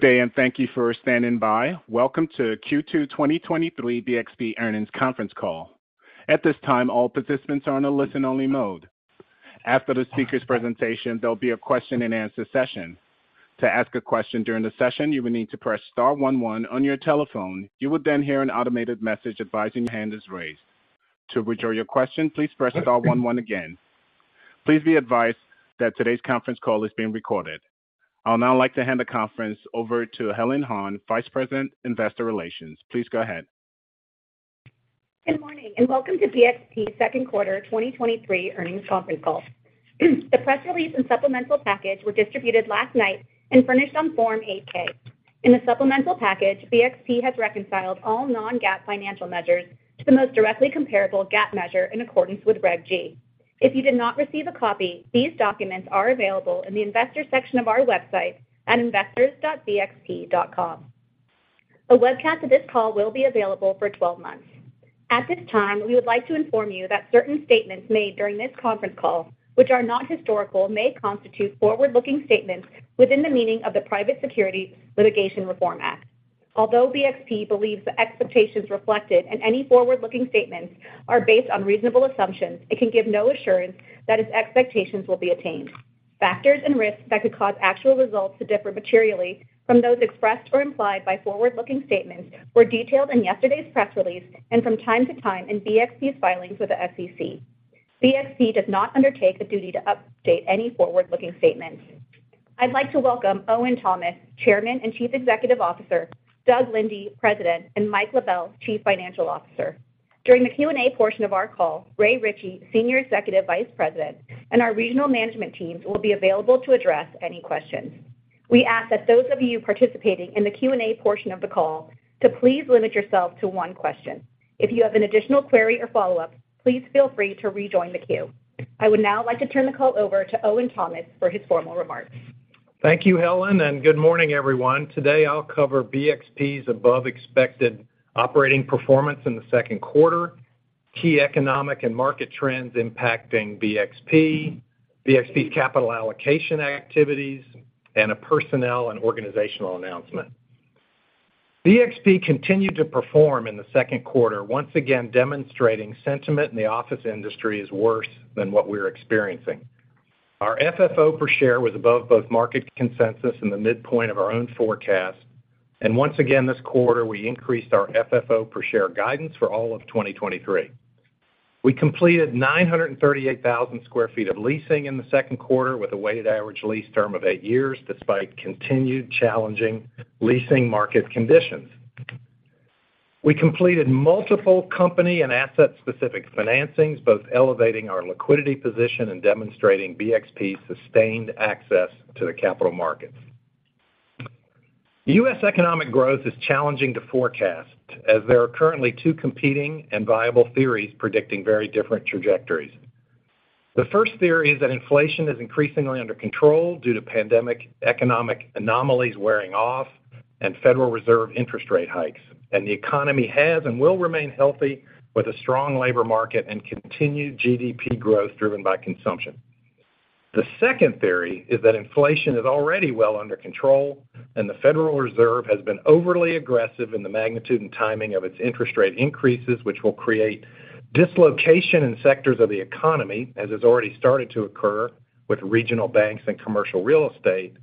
Good day, and thank you for standing by. Welcome to Q2 2023 BXP Earnings Conference Call. At this time, all participants are on a listen-only mode. After the speaker's presentation, there'll be a question-and-answer session. To ask a question during the session, you will need to press star 11 on your telephone. You will then hear an automated message advising your hand is raised. To withdraw your question, please press star 11 again. Please be advised that today's conference call is being recorded. I'll now like to hand the conference over to Helen Han, Vice President, Investor Relations. Please go ahead. Good morning, and welcome to BXP's second quarter 2023 earnings conference call. The press release and supplemental package were distributed last night and furnished on Form 8-K. In the supplemental package, BXP has reconciled all non-GAAP financial measures to the most directly comparable GAAP measure in accordance with Reg G. If you did not receive a copy, these documents are available in the Investors section of our website at investors.bxp.com. A webcast of this call will be available for 12 months. At this time, we would like to inform you that certain statements made during this conference call, which are not historical, may constitute forward-looking statements within the meaning of the Private Securities Litigation Reform Act. Although BXP believes the expectations reflected in any forward-looking statements are based on reasonable assumptions, it can give no assurance that its expectations will be attained. Factors and risks that could cause actual results to differ materially from those expressed or implied by forward-looking statements were detailed in yesterday's press release and from time to time in BXP's filings with the SEC. BXP does not undertake a duty to update any forward-looking statements. I'd like to welcome Owen Thomas, Chairman and Chief Executive Officer, Doug Linde, President, and Mike LaBelle, Chief Financial Officer. During the Q&A portion of our call, Ray Ritchey, Senior Executive Vice President, and our regional management teams will be available to address any questions. We ask that those of you participating in the Q&A portion of the call to please limit yourself to one question. If you have an additional query or follow-up, please feel free to rejoin the queue. I would now like to turn the call over to Owen Thomas for his formal remarks. Thank you, Helen, and good morning, everyone. Today, I'll cover BXP's above expected operating performance in the second quarter, key economic and market trends impacting BXP, BXP's capital allocation activities, and a personnel and organizational announcement. BXP continued to perform in the second quarter, once again demonstrating sentiment in the office industry is worse than what we're experiencing. Our FFO per share was above both market consensus and the midpoint of our own forecast, and once again, this quarter, we increased our FFO per share guidance for all of 2023. We completed 938,000 square feet of leasing in the second quarter, with a weighted average lease term of 8 years, despite continued challenging leasing market conditions. We completed multiple company and asset-specific financings, both elevating our liquidity position and demonstrating BXP's sustained access to the capital markets. The U.S. economic growth is challenging to forecast, as there are currently two competing and viable theories predicting very different trajectories. The first theory is that inflation is increasingly under control due to pandemic economic anomalies wearing off and Federal Reserve interest rate hikes, and the economy has and will remain healthy, with a strong labor market and continued GDP growth driven by consumption. The second theory is that inflation is already well under control, and the Federal Reserve has been overly aggressive in the magnitude and timing of its interest rate increases, which will create dislocation in sectors of the economy, as has already started to occur with regional banks and commercial real estate,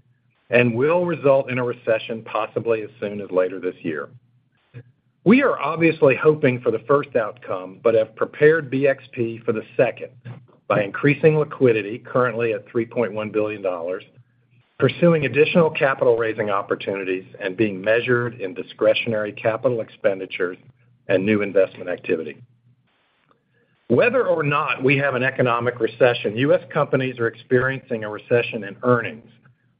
and will result in a recession possibly as soon as later this year. We are obviously hoping for the first outcome, but have prepared BXP for the second by increasing liquidity, currently at $3.1 billion, pursuing additional capital-raising opportunities, and being measured in discretionary capital expenditures and new investment activity. Whether or not we have an economic recession, U.S. companies are experiencing a recession in earnings,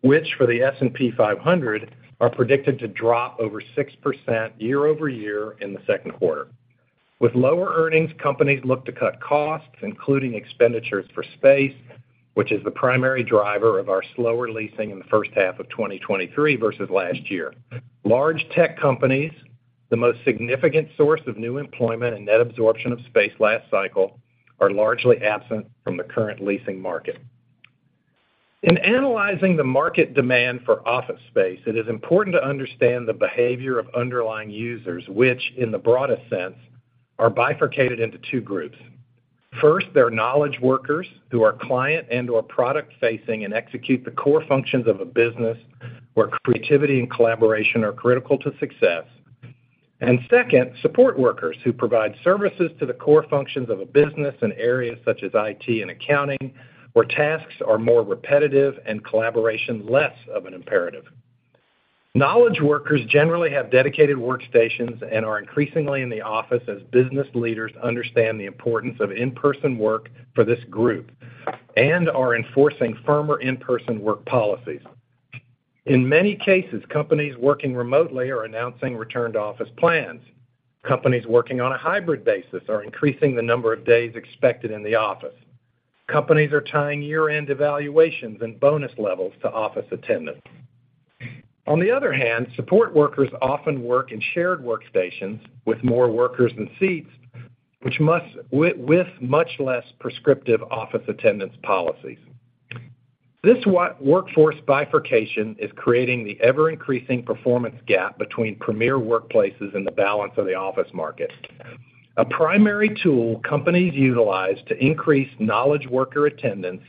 which, for the S&P 500, are predicted to drop over 6% year-over-year in the second quarter. With lower earnings, companies look to cut costs, including expenditures for space, which is the primary driver of our slower leasing in the first half of 2023 versus last year. Large tech companies, the most significant source of new employment and net absorption of space last cycle, are largely absent from the current leasing market. In analyzing the market demand for office space, it is important to understand the behavior of underlying users, which, in the broadest sense, are bifurcated into two groups. First, there are knowledge workers who are client- and/or product-facing and execute the core functions of a business where creativity and collaboration are critical to success. Second, support workers who provide services to the core functions of a business in areas such as IT and accounting, where tasks are more repetitive and collaboration less of an imperative. Knowledge workers generally have dedicated workstations and are increasingly in the office as business leaders understand the importance of in-person work for this group and are enforcing firmer in-person work policies. In many cases, companies working remotely are announcing return-to-office plans. Companies working on a hybrid basis are increasing the number of days expected in the office. Companies are tying year-end evaluations and bonus levels to office attendance. On the other hand, support workers often work in shared workstations with more workers than seats with, with much less prescriptive office attendance policies. This workforce bifurcation is creating the ever-increasing performance gap between premier workplaces and the balance of the office market. A primary tool companies utilize to increase knowledge worker attendance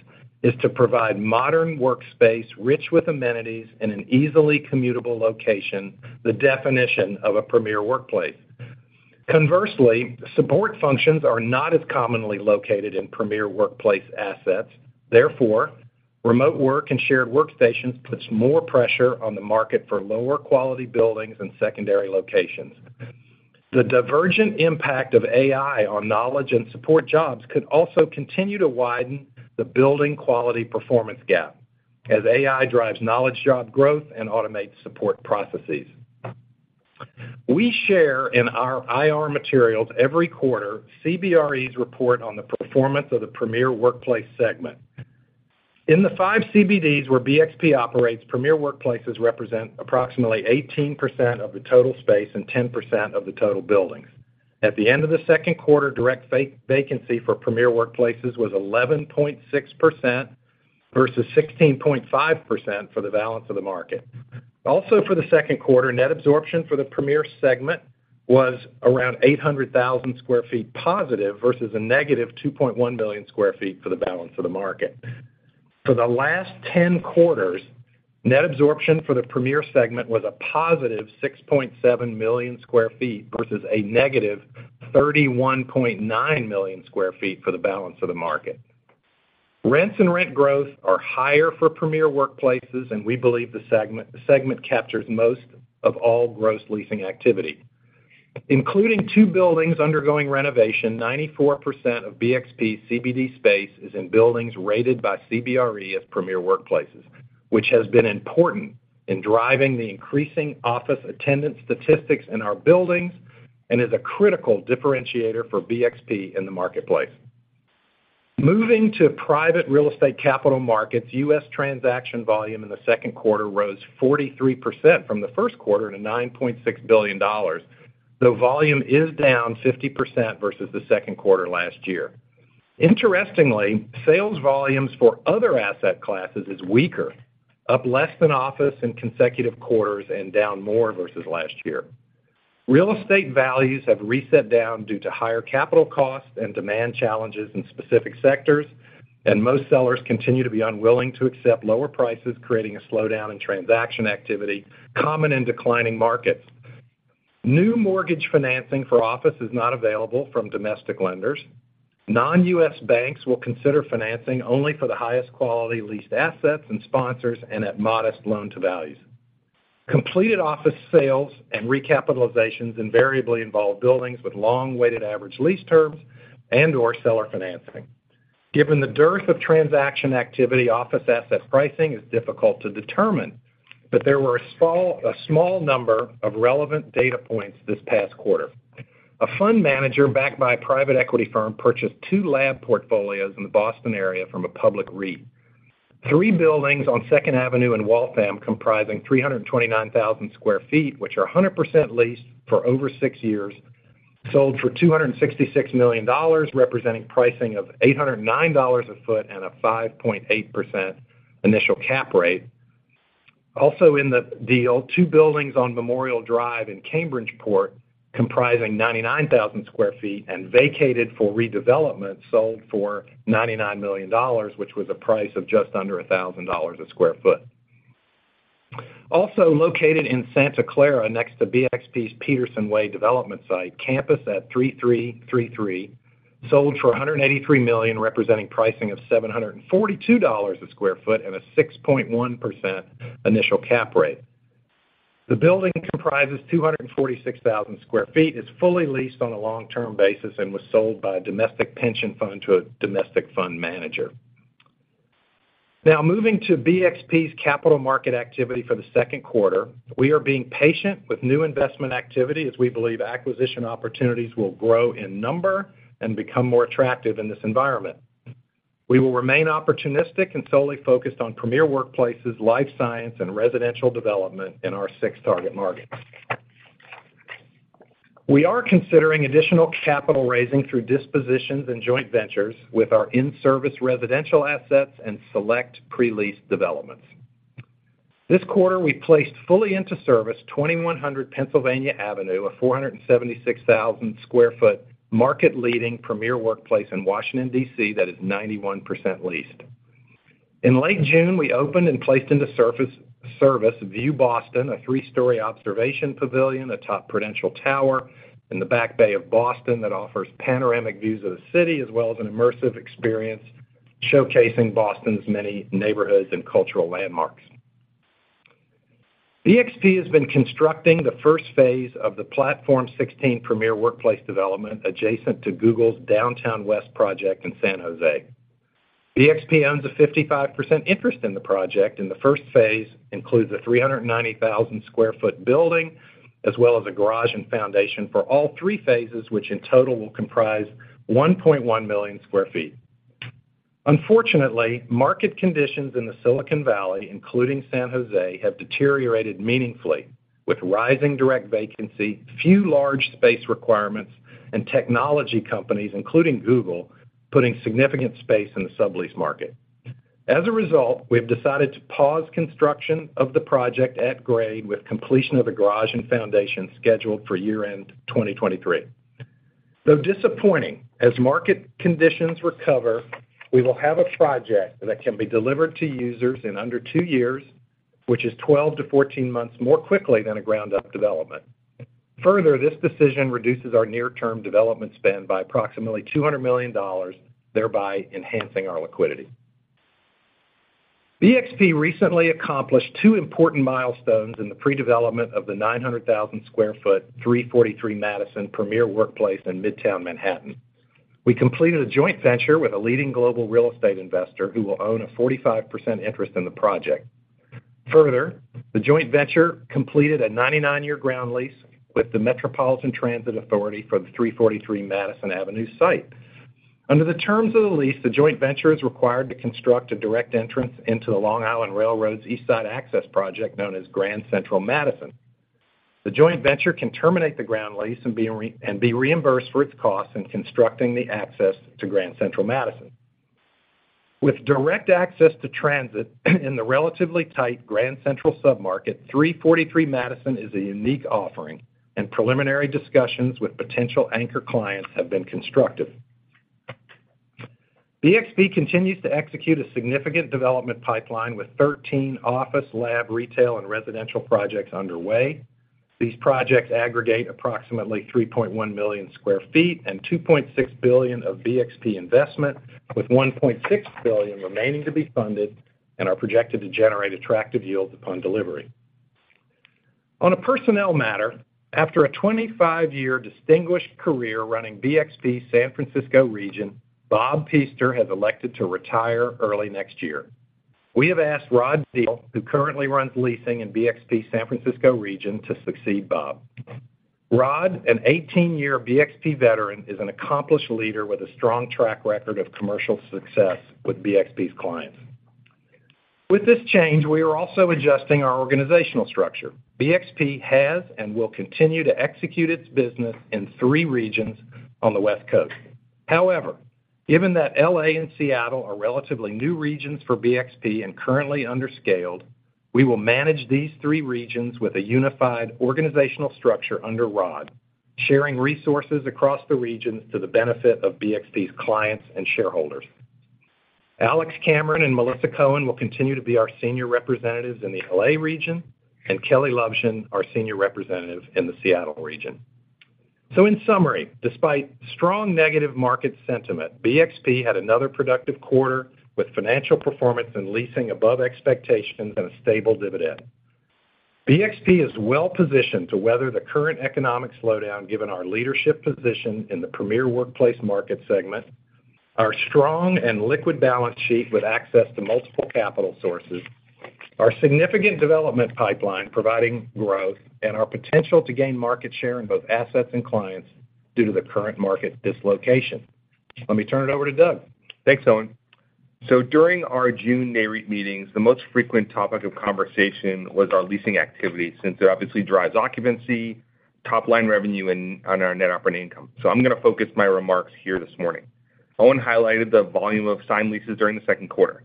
is to provide modern workspace, rich with amenities, in an easily commutable location, the definition of a premier workplace. Conversely, support functions are not as commonly located in premier workplace assets. Therefore, remote work and shared workstations puts more pressure on the market for lower-quality buildings and secondary locations. The divergent impact of AI on knowledge and support jobs could also continue to widen the building quality performance gap, as AI drives knowledge job growth and automates support processes. We share in our IR materials every quarter, CBRE's report on the performance of the premier workplace segment. In the 5 CBDs where BXP operates, premier workplaces represent approximately 18% of the total space and 10% of the total buildings. At the end of the second quarter, direct vacancy for premier workplaces was 11.6%, versus 16.5% for the balance of the market. For the second quarter, net absorption for the premier segment was around 800,000sq ft positive, versus a negative 2.1 billion sq ft for the balance of the market. For the last 10 quarters, net absorption for the premier segment was a positive 6.7 millions q ft, versus a negative 31.9 million sq ft for the balance of the market. Rents and rent growth are higher for premier workplaces, and we believe the segment, the segment captures most of all gross leasing activity. Including two buildings undergoing renovation, 94% of BXP's CBD space is in buildings rated by CBRE as premier workplaces, which has been important in driving the increasing office attendance statistics in our buildings and is a critical differentiator for BXP in the marketplace. Moving to private real estate capital markets, US transaction volume in the second quarter rose 43% from the first quarter to $9.6 billion, though volume is down 50% versus the second quarter last year. Interestingly, sales volumes for other asset classes is weaker, up less than office in consecutive quarters and down more versus last year. Real estate values have reset down due to higher capital costs and demand challenges in specific sectors. Most sellers continue to be unwilling to accept lower prices, creating a slowdown in transaction activity, common in declining markets. New mortgage financing for office is not available from domestic lenders. Non-US banks will consider financing only for the highest quality leased assets and sponsors and at modest loan-to-values. Completed office sales and recapitalizations invariably involve buildings with long-weighted average lease terms and/or seller financing. Given the dearth of transaction activity, office asset pricing is difficult to determine. There were a small number of relevant data points this past quarter. A fund manager, backed by a private equity firm, purchased two lab portfolios in the Boston area from a public REIT. 3 buildings on Second Avenue in Waltham, comprising 329,000sq ft, which are 100% leased for over 6 years, sold for $266 million, representing pricing of $809 a foot and a 5.8% initial cap rate. In the deal, 2 buildings on Memorial Drive in Cambridgeport, comprising 99,000sq ft and vacated for redevelopment, sold for $99 million, which was a price of just under $1,000 a sq ft. Located in Santa Clara, next to BXP's Peterson Way development site, Campus at 3333, sold for $183 million, representing pricing of $742 a sq ft and a 6.1% initial cap rate. The building comprises 246,000sq ft, is fully leased on a long-term basis, and was sold by a domestic pension fund to a domestic fund manager. Now, moving to BXP's capital market activity for the second quarter, we are being patient with new investment activity, as we believe acquisition opportunities will grow in number and become more attractive in this environment. We will remain opportunistic and solely focused on premier workplaces, life science, and residential development in our six target markets. We are considering additional capital raising through dispositions and joint ventures with our in-service residential assets and select pre-lease developments. This quarter, we placed fully into service 2100 Pennsylvania Avenue, a 476,000sq ft market-leading premier workplace in Washington, D.C., that is 91% leased. In late June, we opened and placed into service View Boston, a three-story observation pavilion atop Prudential Tower in the Back Bay of Boston that offers panoramic views of the city, as well as an immersive experience showcasing Boston's many neighborhoods and cultural landmarks. BXP has been constructing the first phase of the Platform 16 premier workplace development adjacent to Google's Downtown West project in San Jose. BXP owns a 55% interest in the project, and the first phase includes a 390,000sq ft building, as well as a garage and foundation for all 3 phases, which in total will comprise 1.1 million sq ft. Unfortunately, market conditions in the Silicon Valley, including San Jose, have deteriorated meaningfully, with rising direct vacancy, few large space requirements, and technology companies, including Google, putting significant space in the sublease market. As a result, we have decided to pause construction of the project at grade, with completion of the garage and foundation scheduled for year-end 2023. Though disappointing, as market conditions recover, we will have a project that can be delivered to users in under 2 years, which is 12-14 months more quickly than a ground-up development. This decision reduces our near-term development spend by approximately $200 million, thereby enhancing our liquidity. BXP recently accomplished 2 important milestones in the predevelopment of the 900,000sq ft, 343 Madison Premier Workplace in Midtown Manhattan. We completed a joint venture with a leading global real estate investor, who will own a 45% interest in the project. The joint venture completed a 99-year ground lease with the Metropolitan Transportation Authority for the 343 Madison Avenue site. Under the terms of the lease, the joint venture is required to construct a direct entrance into the Long Island Rail Road's East Side Access Project, known as Grand Central Madison. The joint venture can terminate the ground lease and be reimbursed for its costs in constructing the access to Grand Central Madison. With direct access to transit in the relatively tight Grand Central submarket, 343 Madison is a unique offering, and preliminary discussions with potential anchor clients have been constructive. BXP continues to execute a significant development pipeline with 13 office, lab, retail, and residential projects underway. These projects aggregate approximately 3.1 million sq ft and $2.6 billion of BXP investment, with $1.6 billion remaining to be funded, and are projected to generate attractive yields upon delivery. On a personnel matter, after a 25-year distinguished career running BXP's San Francisco region, Bob Pester has elected to retire early next year. We have asked Rod Diehl, who currently runs leasing in BXP's San Francisco region, to succeed Bob. Rod, an 18-year BXP veteran, is an accomplished leader with a strong track record of commercial success with BXP's clients. With this change, we are also adjusting our organizational structure. BXP has and will continue to execute its business in three regions on the West Coast. However, given that L.A. and Seattle are relatively new regions for BXP and currently under-scaled, we will manage these three regions with a unified organizational structure under Rod, sharing resources across the regions to the benefit of BXP's clients and shareholders. Alex Cameron and Melissa Cohen will continue to be our senior representatives in the L.A. region, and Kelley Lovshin, our senior representative in the Seattle region. In summary, despite strong negative market sentiment, BXP had another productive quarter with financial performance and leasing above expectations and a stable dividend. BXP is well positioned to weather the current economic slowdown, given our leadership position in the premier workplace market segment, our strong and liquid balance sheet with access to multiple capital sources, our significant development pipeline providing growth, and our potential to gain market share in both assets and clients due to the current market dislocation. Let me turn it over to Doug. Thanks, Owen. During our June NAREIT meetings, the most frequent topic of conversation was our leasing activity, since it obviously drives occupancy, top-line revenue, and on our net operating income. I'm going to focus my remarks here this morning. Owen highlighted the volume of signed leases during the second quarter.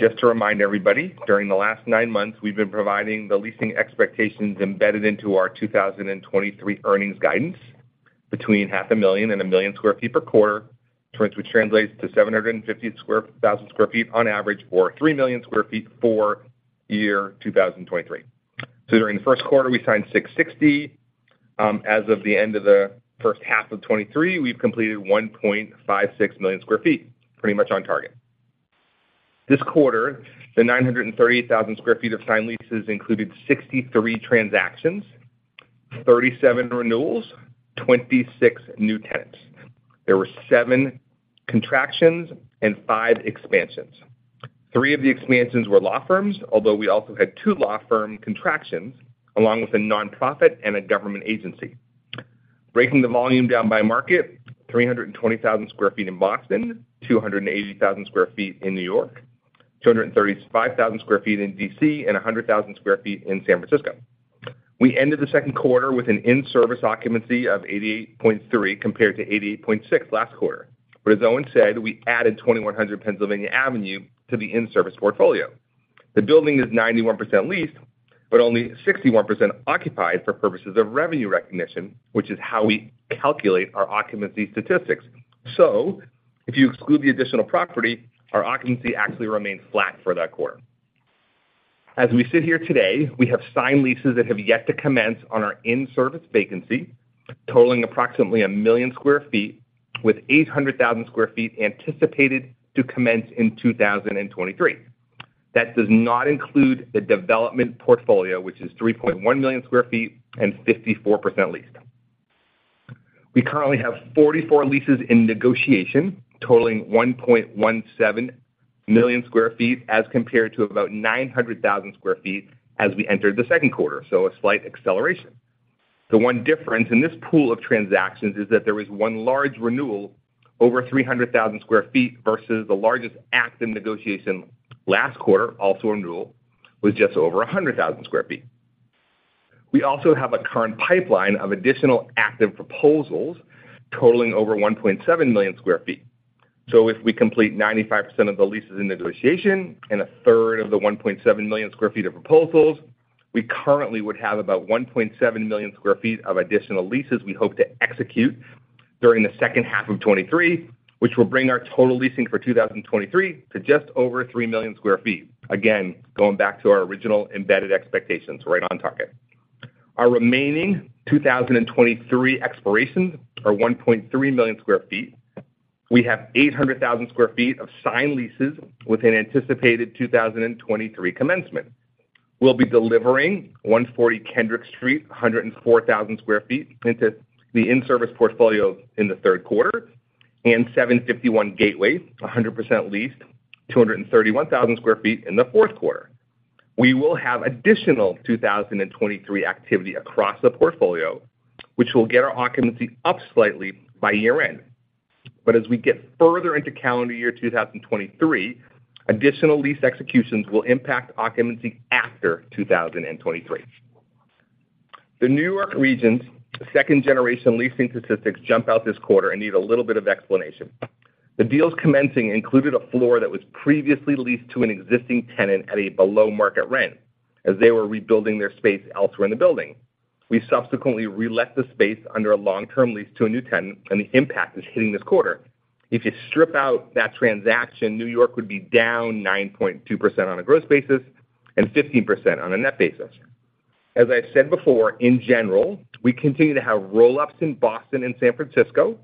Just to remind everybody, during the last 9 months, we've been providing the leasing expectations embedded into our 2023 earnings guidance, between 500,000 and 1 million sq ft per quarter, which translates to 750,000sq ft on average, or 3 million sq ft for year 2023. During the first quarter, we signed 660. As of the end of the first half of 2023, we've completed 1.56 million sq ft, pretty much on target. This quarter, the 938,000 sq ft of signed leases included 63 transactions, 37 renewals, 26 new tenants. There were seven contractions and five expansions. Three of the expansions were law firms, although we also had two law firm contractions, along with a nonprofit and a government agency. Breaking the volume down by market, 320,000sq ft in Boston, 280,000sq ft in New York, 235,000sq ft in D.C., and 100,000sq ft in San Francisco. We ended the second quarter with an in-service occupancy of 88.3, compared to 88.6 last quarter. As Owen said, we added 2100 Pennsylvania Avenue to the in-service portfolio. The building is 91% leased, but only 61% occupied for purposes of revenue recognition, which is how we calculate our occupancy statistics. If you exclude the additional property, our occupancy actually remains flat for that quarter. As we sit here today, we have signed leases that have yet to commence on our in-service vacancy, totaling approximately 1 million sq ft, with 800,000sq ft anticipated to commence in 2023. That does not include the development portfolio, which is 3.1 million sq ft and 54% leased. We currently have 44 leases in negotiation, totaling 1.17 million sq ft, as compared to about 900,000sq ft as we entered the second quarter. A slight acceleration. The one difference in this pool of transactions is that there was 1 large renewal over 300,000sq ft, versus the largest active negotiation last quarter, also a renewal, was just over 100,000sq ft. We also have a current pipeline of additional active proposals totaling over 1.7 million sq ft. If we complete 95% of the leases in negotiation and a third of the 1.7 million sq ft of proposals, we currently would have about 1.7 million sq ft of additional leases we hope to execute during the second half of 2023, which will bring our total leasing for 2023 to just over 3 million sq ft. Going back to our original embedded expectations, right on target. Our remaining 2023 expirations are 1.3 million sq ft. We have 800,000sq ft of signed leases with an anticipated 2023 commencement. We'll be delivering 140 Kendrick Street, 104,000sq ft into the in-service portfolio in the third quarter, and 751 Gateway, 100% leased, 231,000sq ft in the fourth quarter. We will have additional 2023 activity across the portfolio, which will get our occupancy up slightly by year-end. As we get further into calendar year 2023, additional lease executions will impact occupancy after 2023. The New York region's second-generation leasing statistics jump out this quarter and need a little bit of explanation. The deals commencing included a floor that was previously leased to an existing tenant at a below-market rent, as they were rebuilding their space elsewhere in the building. We subsequently relet the space under a long-term lease to a new tenant, and the impact is hitting this quarter. If you strip out that transaction, New York would be down 9.2% on a gross basis and 15% on a net basis. As I've said before, in general, we continue to have roll-ups in Boston and San Francisco,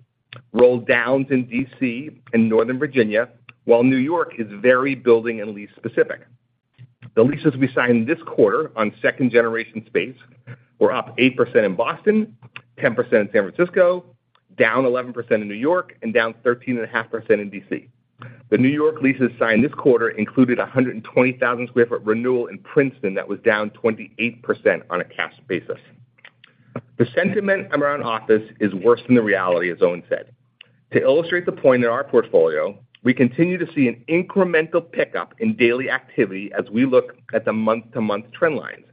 roll-downs in D.C. and Northern Virginia, while New York is very building and lease specific. The leases we signed this quarter on second-generation space were up 8% in Boston, 10% in San Francisco, down 11% in New York, and down 13.5% in D.C. The New York leases signed this quarter included a 120,000sq ft renewal in Princeton that was down 28% on a cash basis. The sentiment around office is worse than the reality, as Owen said. To illustrate the point in our portfolio, we continue to see an incremental pickup in daily activity as we look at the month-to-month trend lines.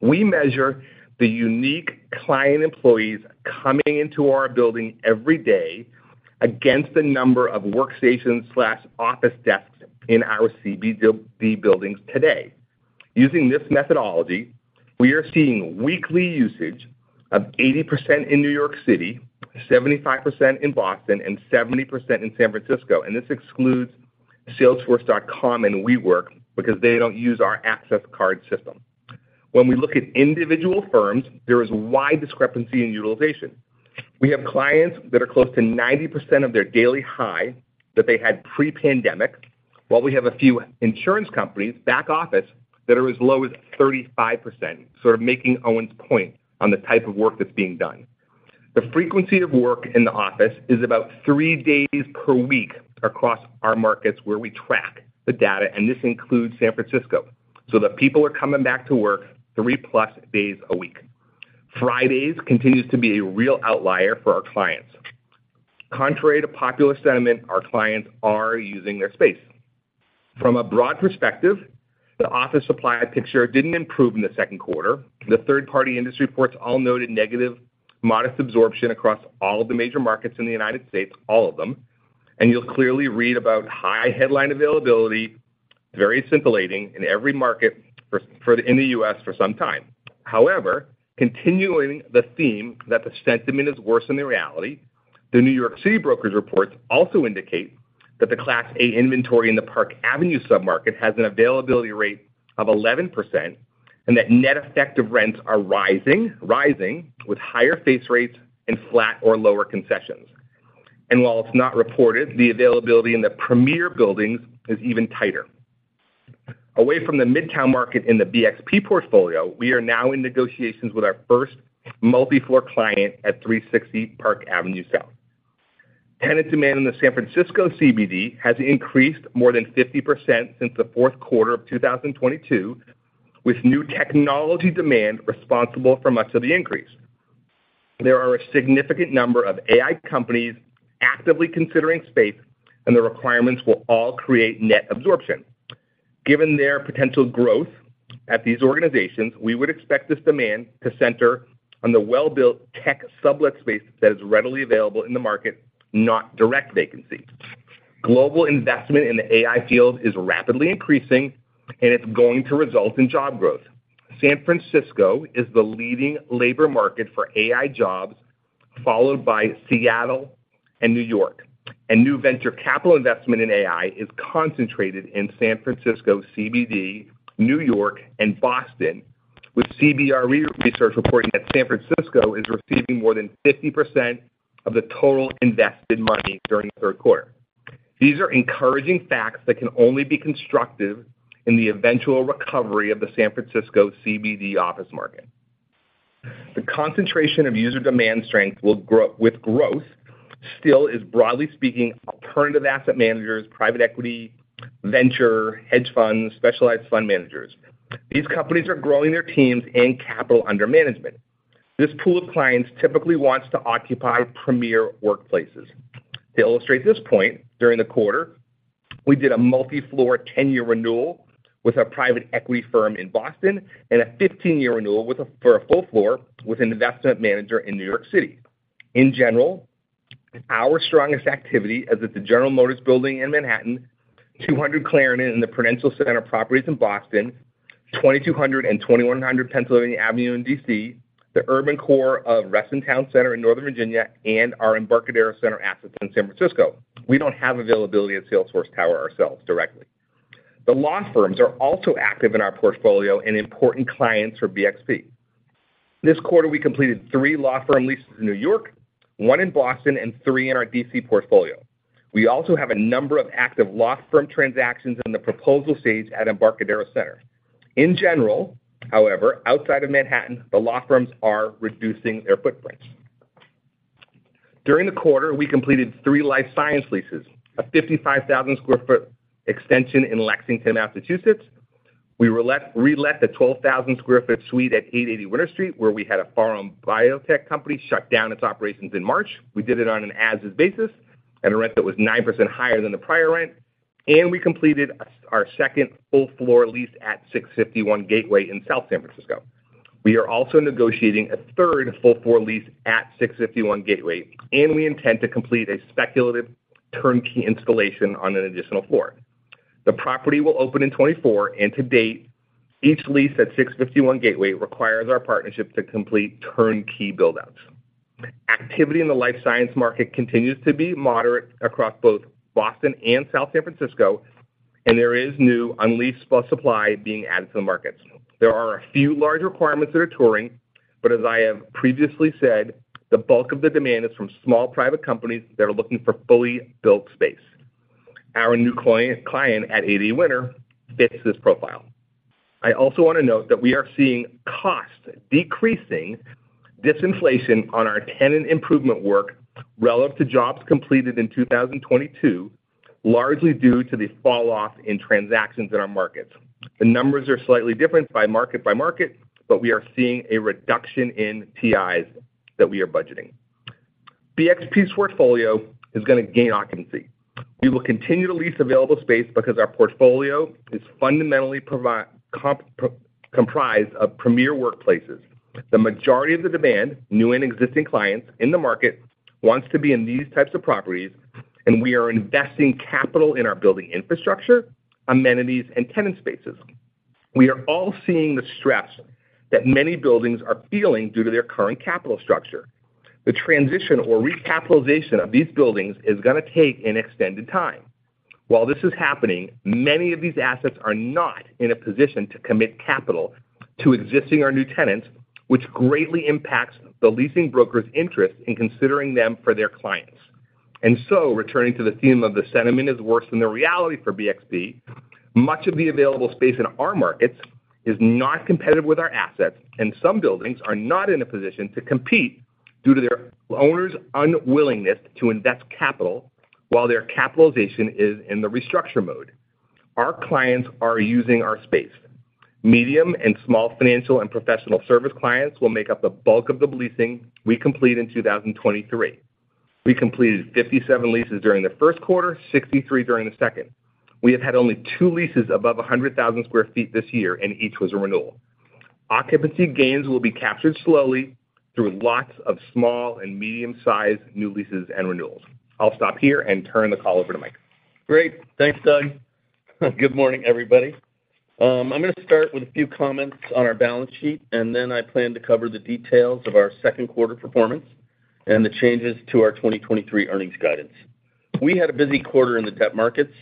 We measure the unique client employees coming into our building every day against the number of workstations/office desks in our CBD buildings today. Using this methodology, we are seeing weekly usage of 80% in New York City, 75% in Boston, and 70% in San Francisco, and this excludes Salesforce.com and WeWork because they don't use our access card system. When we look at individual firms, there is a wide discrepancy in utilization. We have clients that are close to 90% of their daily high that they had pre-pandemic, while we have a few insurance companies back office that are as low as 35%, sort of making Owen's point on the type of work that's being done. The frequency of work in the office is about 3 days per week across our markets, where we track the data, and this includes San Francisco, so the people are coming back to work 3-plus days a week. Fridays continues to be a real outlier for our clients. Contrary to popular sentiment, our clients are using their space. From a broad perspective, the office supply picture didn't improve in the second quarter. The third-party industry reports all noted negative, modest absorption across all of the major markets in the United States, all of them. You'll clearly read about high headline availability, very scintillating in every market in the U.S. for some time. However, continuing the theme that the sentiment is worse than the reality, the New York City brokers reports also indicate that the Class A inventory in the Park Avenue submarket has an availability rate of 11%, and that net effective rents are rising, rising with higher face rates and flat or lower concessions. While it's not reported, the availability in the premier buildings is even tighter. Away from the Midtown market in the BXP portfolio, we are now in negotiations with our first multi-floor client at 360 Park Avenue South. Tenant demand in the San Francisco CBD has increased more than 50% since the fourth quarter of 2022, with new technology demand responsible for much of the increase. There are a significant number of AI companies actively considering space, and the requirements will all create net absorption. Given their potential growth at these organizations, we would expect this demand to center on the well-built tech sublet space that is readily available in the market, not direct vacancies. Global investment in the AI field is rapidly increasing, it's going to result in job growth. San Francisco is the leading labor market for AI jobs, followed by Seattle and New York. New venture capital investment in AI is concentrated in San Francisco, CBD, New York, and Boston, with CBRE Research reporting that San Francisco is receiving more than 50% of the total invested money during the 3rd quarter. These are encouraging facts that can only be constructive in the eventual recovery of the San Francisco CBD office market. The concentration of user demand strength still is, broadly speaking, alternative asset managers, private equity, venture, hedge funds, specialized fund managers. These companies are growing their teams and capital under management. This pool of clients typically wants to occupy premier workplaces. To illustrate this point, during the quarter, we did a multi-floor 10-year renewal with a private equity firm in Boston and a 15-year renewal for a full floor with an investment manager in New York City. In general, our strongest activity is at the General Motors building in Manhattan, 200 Clarendon in the Prudential Center properties in Boston, 2,200 and 2,100 Pennsylvania Avenue in D.C., the urban core of Reston Town Center in Northern Virginia, and our Embarcadero Center assets in San Francisco. We don't have availability at Salesforce Tower ourselves directly. The law firms are also active in our portfolio and important clients for BXP. This quarter, we completed 3 law firm leases in New York, 1 in Boston, and 3 in our D.C. portfolio. We also have a number of active law firm transactions in the proposal stage at Embarcadero Center. In general, however, outside of Manhattan, the law firms are reducing their footprints. During the quarter, we completed 3 life science leases, a 55,000sq ft extension in Lexington, Massachusetts. We relet the 12,000sq ft suite at Eight eighty Winter Street, where we had a foreign biotech company shut down its operations in March. We did it on an as-is basis at a rent that was 9% higher than the prior rent, we completed our second full floor lease at 651 Gateway in South San Francisco. We are also negotiating a third full floor lease at 651 Gateway. We intend to complete a speculative turnkey installation on an additional floor. The property will open in 2024. To date, each lease at 651 Gateway requires our partnership to complete turnkey buildouts. Activity in the life science market continues to be moderate across both Boston and South San Francisco. There is new unleased supply being added to the markets. There are a few large requirements that are touring, but as I have previously said, the bulk of the demand is from small, private companies that are looking for fully built space. Our new client at 880 Winter fits this profile. I also want to note that we are seeing costs decreasing disinflation on our tenant improvement work relative to jobs completed in 2022, largely due to the falloff in transactions in our markets. The numbers are slightly different by market by market, but we are seeing a reduction in TIs that we are budgeting. BXP's portfolio is going to gain occupancy. We will continue to lease available space because our portfolio is fundamentally comprised of premier workplaces. The majority of the demand, new and existing clients in the market, wants to be in these types of properties, and we are investing capital in our building infrastructure, amenities, and tenant spaces. We are all seeing the stress that many buildings are feeling due to their current capital structure. The transition or recapitalization of these buildings is going to take an extended time. While this is happening, many of these assets are not in a position to commit capital to existing or new tenants, which greatly impacts the leasing broker's interest in considering them for their clients. Returning to the theme of the sentiment is worse than the reality for BXP, much of the available space in our markets is not competitive with our assets, and some buildings are not in a position to compete due to their owners' unwillingness to invest capital while their capitalization is in the restructure mode. Our clients are using our space. Medium and small financial and professional service clients will make up the bulk of the leasing we complete in 2023. We completed 57 leases during the first quarter, 63 during the second. We have had only 2 leases above 100,000sq ft this year, and each was a renewal. Occupancy gains will be captured slowly through lots of small and medium-sized new leases and renewals. I'll stop here and turn the call over to Mike. Great. Thanks, Doug. Good morning, everybody. I'm going to start with a few comments on our balance sheet, and then I plan to cover the details of our second quarter performance and the changes to our 2023 earnings guidance. We had a busy quarter in the debt markets.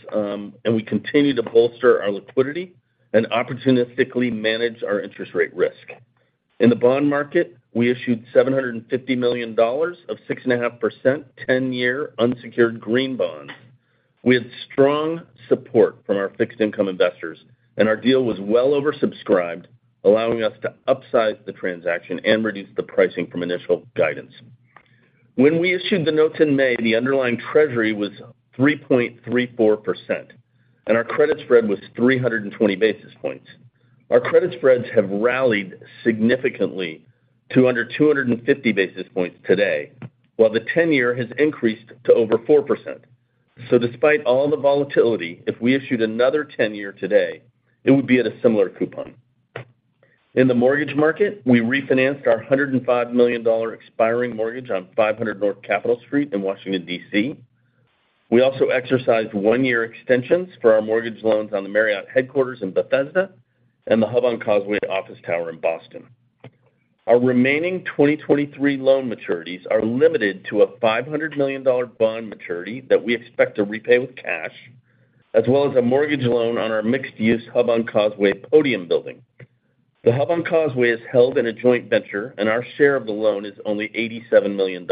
We continue to bolster our liquidity and opportunistically manage our interest rate risk. In the bond market, we issued $750 million of 6.5%, 10-year unsecured green bonds. We had strong support from our fixed income investors, and our deal was well oversubscribed, allowing us to upsize the transaction and reduce the pricing from initial guidance. When we issued the notes in May, the underlying treasury was 3.34%, and our credit spread was 320 basis points. Our credit spreads have rallied significantly to under 250 basis points today, while the 10-year has increased to over 4%. Despite all the volatility, if we issued another 10-year today, it would be at a similar coupon. In the mortgage market, we refinanced our $105 million expiring mortgage on 500 North Capitol Street in Washington, D.C. We also exercised 1-year extensions for our mortgage loans on the Marriott headquarters in Bethesda and the Hub on Causeway office tower in Boston. Our remaining 2023 loan maturities are limited to a $500 million bond maturity that we expect to repay with cash, as well as a mortgage loan on our mixed-use Hub on Causeway podium building. The Hub on Causeway is held in a joint venture, and our share of the loan is only $87 million.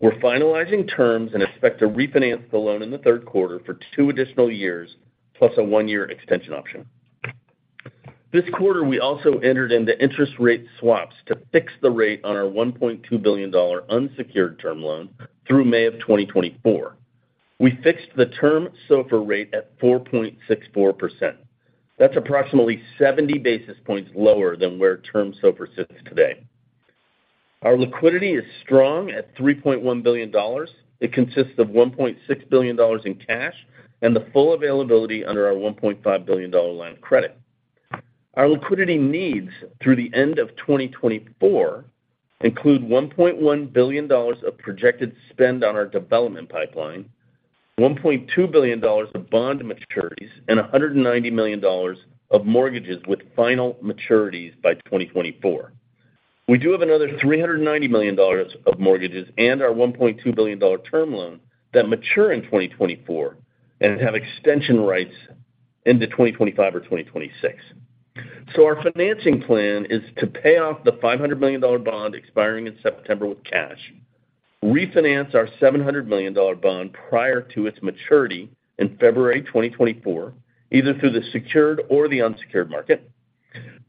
We're finalizing terms and expect to refinance the loan in the third quarter for two additional years, plus a one-year extension option. This quarter, we also entered into interest rate swaps to fix the rate on our $1.2 billion unsecured term loan through May of 2024. We fixed the Term SOFR rate at 4.64%. That's approximately 70 basis points lower than where Term SOFR sits today. Our liquidity is strong at $3.1 billion. It consists of $1.6 billion in cash and the full availability under our $1.5 billion line of credit. Our liquidity needs through the end of 2024 include $1.1 billion of projected spend on our development pipeline, $1.2 billion of bond maturities, and $190 million of mortgages with final maturities by 2024. We do have another $390 million of mortgages and our $1.2 billion term loan that mature in 2024 and have extension rights into 2025 or 2026. Our financing plan is to pay off the $500 million bond expiring in September with cash, refinance our $700 million bond prior to its maturity in February 2024, either through the secured or the unsecured market,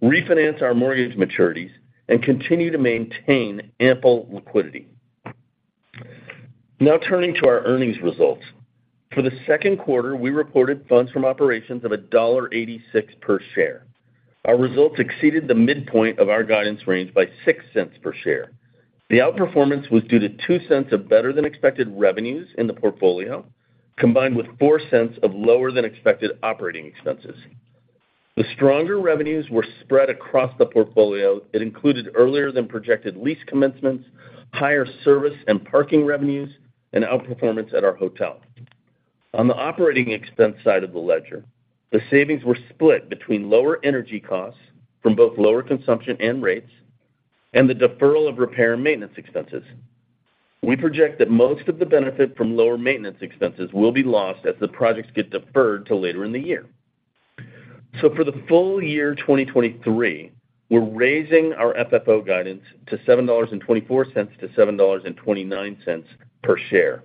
refinance our mortgage maturities, and continue to maintain ample liquidity. Turning to our earnings results. For the 2Q, we reported funds from operations of $1.86 per share. Our results exceeded the midpoint of our guidance range by $0.06 per share. The outperformance was due to $0.02 of better than expected revenues in the portfolio, combined with $0.04 of lower than expected operating expenses. The stronger revenues were spread across the portfolio. It included earlier than projected lease commencements, higher service and parking revenues, and outperformance at our hotel. On the operating expense side of the ledger, the savings were split between lower energy costs from both lower consumption and rates, and the deferral of repair and maintenance expenses. We project that most of the benefit from lower maintenance expenses will be lost as the projects get deferred to later in the year. For the full year 2023, we're raising our FFO guidance to $7.24-$7.29 per share.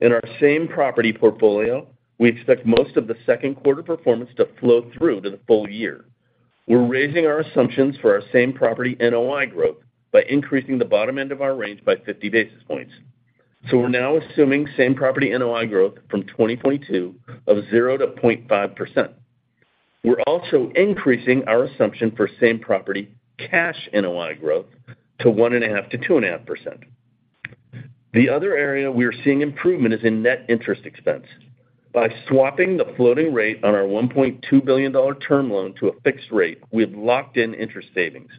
In our same property portfolio, we expect most of the second quarter performance to flow through to the full year. We're raising our assumptions for our same property NOI growth by increasing the bottom end of our range by 50 basis points. We're now assuming same property NOI growth from 2022 of 0%-0.5%. We're also increasing our assumption for same property cash NOI growth to 1.5%-2.5%. The other area we are seeing improvement is in net interest expense. By swapping the floating rate on our $1.2 billion term loan to a fixed rate, we have locked in interest savings.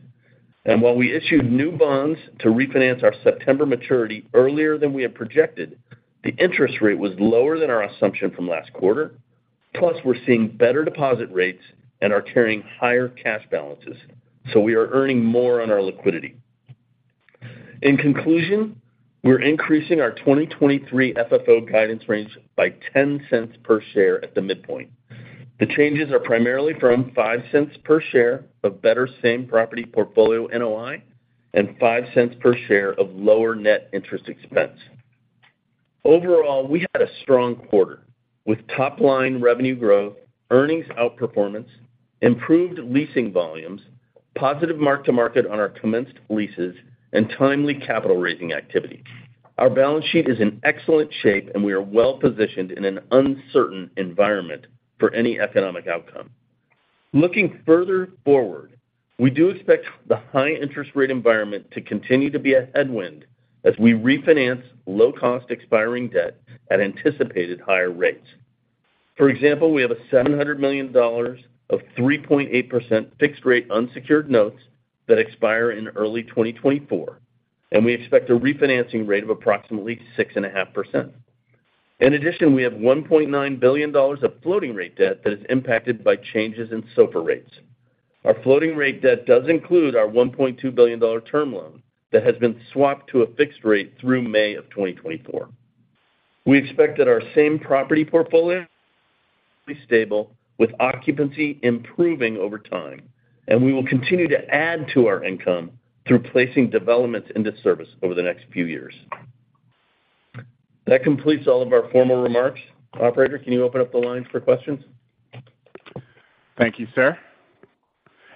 While we issued new bonds to refinance our September maturity earlier than we had projected, the interest rate was lower than our assumption from last quarter, plus we're seeing better deposit rates and are carrying higher cash balances, so we are earning more on our liquidity. In conclusion, we're increasing our 2023 FFO guidance range by $0.10 per share at the midpoint. The changes are primarily from $0.05 per share of better Same Property NOI, and $0.05 per share of lower net interest expense. Overall, we had a strong quarter, with top-line revenue growth, earnings outperformance, improved leasing volumes, positive mark to market on our commenced leases, and timely capital raising activity. Our balance sheet is in excellent shape, and we are well positioned in an uncertain environment for any economic outcome. Looking further forward, we do expect the high interest rate environment to continue to be a headwind as we refinance low-cost expiring debt at anticipated higher rates. For example, we have $700 million of 3.8% fixed rate unsecured notes that expire in early 2024, and we expect a refinancing rate of approximately 6.5%. In addition, we have $1.9 billion of floating rate debt that is impacted by changes in SOFR rates. Our floating rate debt does include our $1.2 billion term loan that has been swapped to a fixed rate through May of 2024. We expect that our same property portfolio stable, with occupancy improving over time, and we will continue to add to our income through placing developments into service over the next few years. That completes all of our formal remarks. Operator, can you open up the lines for questions? Thank you, sir.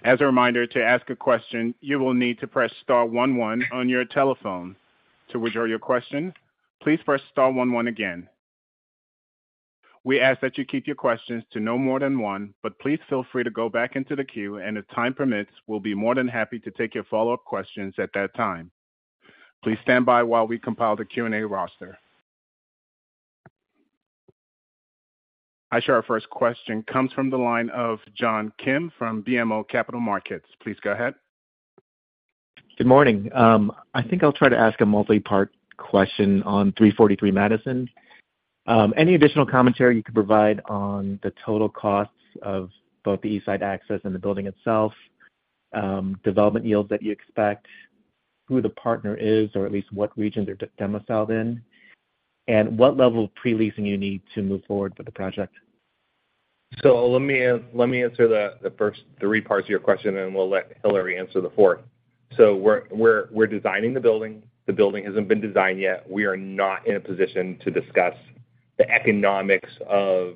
As a reminder, to ask a question, you will need to press star 11 on your telephone. To withdraw your question, please press star 11 again. We ask that you keep your questions to no more than one, please feel free to go back into the queue, and if time permits, we'll be more than happy to take your follow-up questions at that time. Please stand by while we compile the Q&A roster. I show our first question comes from the line of John Kim from BMO Capital Markets. Please go ahead. Good morning. I think I'll try to ask a multi-part question on 343 Madison. Any additional commentary you could provide on the total costs of both the East Side access and the building itself, development yields that you expect, who the partner is, or at least what region they're domiciled in, and what level of pre-leasing you need to move forward with the project? Let me, let me answer the, the first three parts of your question, and then we'll let Hilary answer the fourth. We're, we're, we're designing the building. The building hasn't been designed yet. We are not in a position to discuss the economics of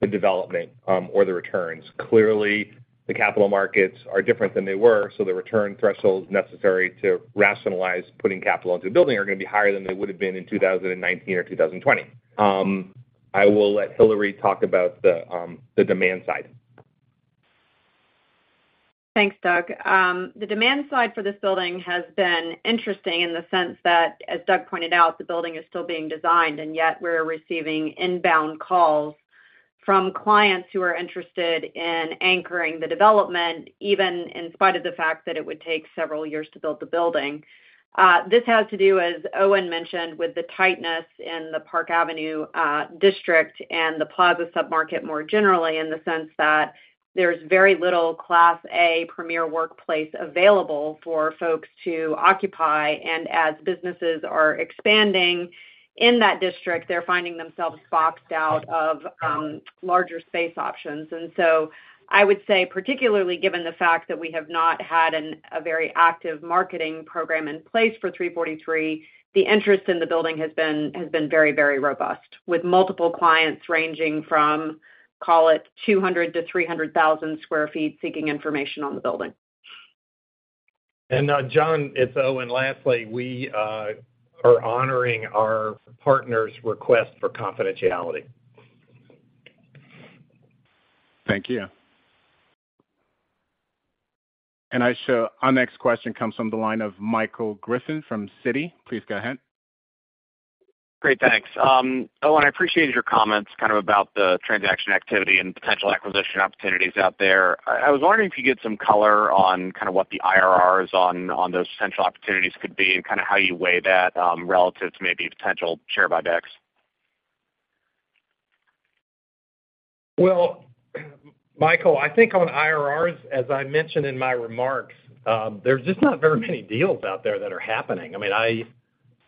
the development, or the returns. Clearly, the capital markets are different than they were, so the return thresholds necessary to rationalize putting capital into a building are going to be higher than they would have been in 2019 or 2020. I will let Hilary talk about the demand side. Thanks, Doug. The demand side for this building has been interesting in the sense that, as Doug pointed out, the building is still being designed, yet we're receiving inbound calls from clients who are interested in anchoring the development, even in spite of the fact that it would take several years to build the building. This has to do, as Owen mentioned, with the tightness in the Park Avenue District and the Plaza submarket, more generally, in the sense that there's very little Class A premier workplace available for folks to occupy. As businesses are expanding in that district, they're finding themselves boxed out of larger space options. I would say, particularly given the fact that we have not had a very active marketing program in place for Three Forty Three, the interest in the building has been, has been very, very robust, with multiple clients ranging from, call it, 200,000-300,000sq ft, seeking information on the building. John, it's Owen. Lastly, we are honoring our partner's request for confidentiality. Thank you. I show our next question comes from the line of Michael Griffin from Citigroup. Please go ahead. Great, thanks. Owen, I appreciate your comments kind of about the transaction activity and potential acquisition opportunities out there. I, I was wondering if you could get some color on kind of what the IRRs on, on those potential opportunities could be, and kind of how you weigh that, relative to maybe potential share buybacks. Well, Michael, I think on IRRs, as I mentioned in my remarks, there's just not very many deals out there that are happening. I mean, I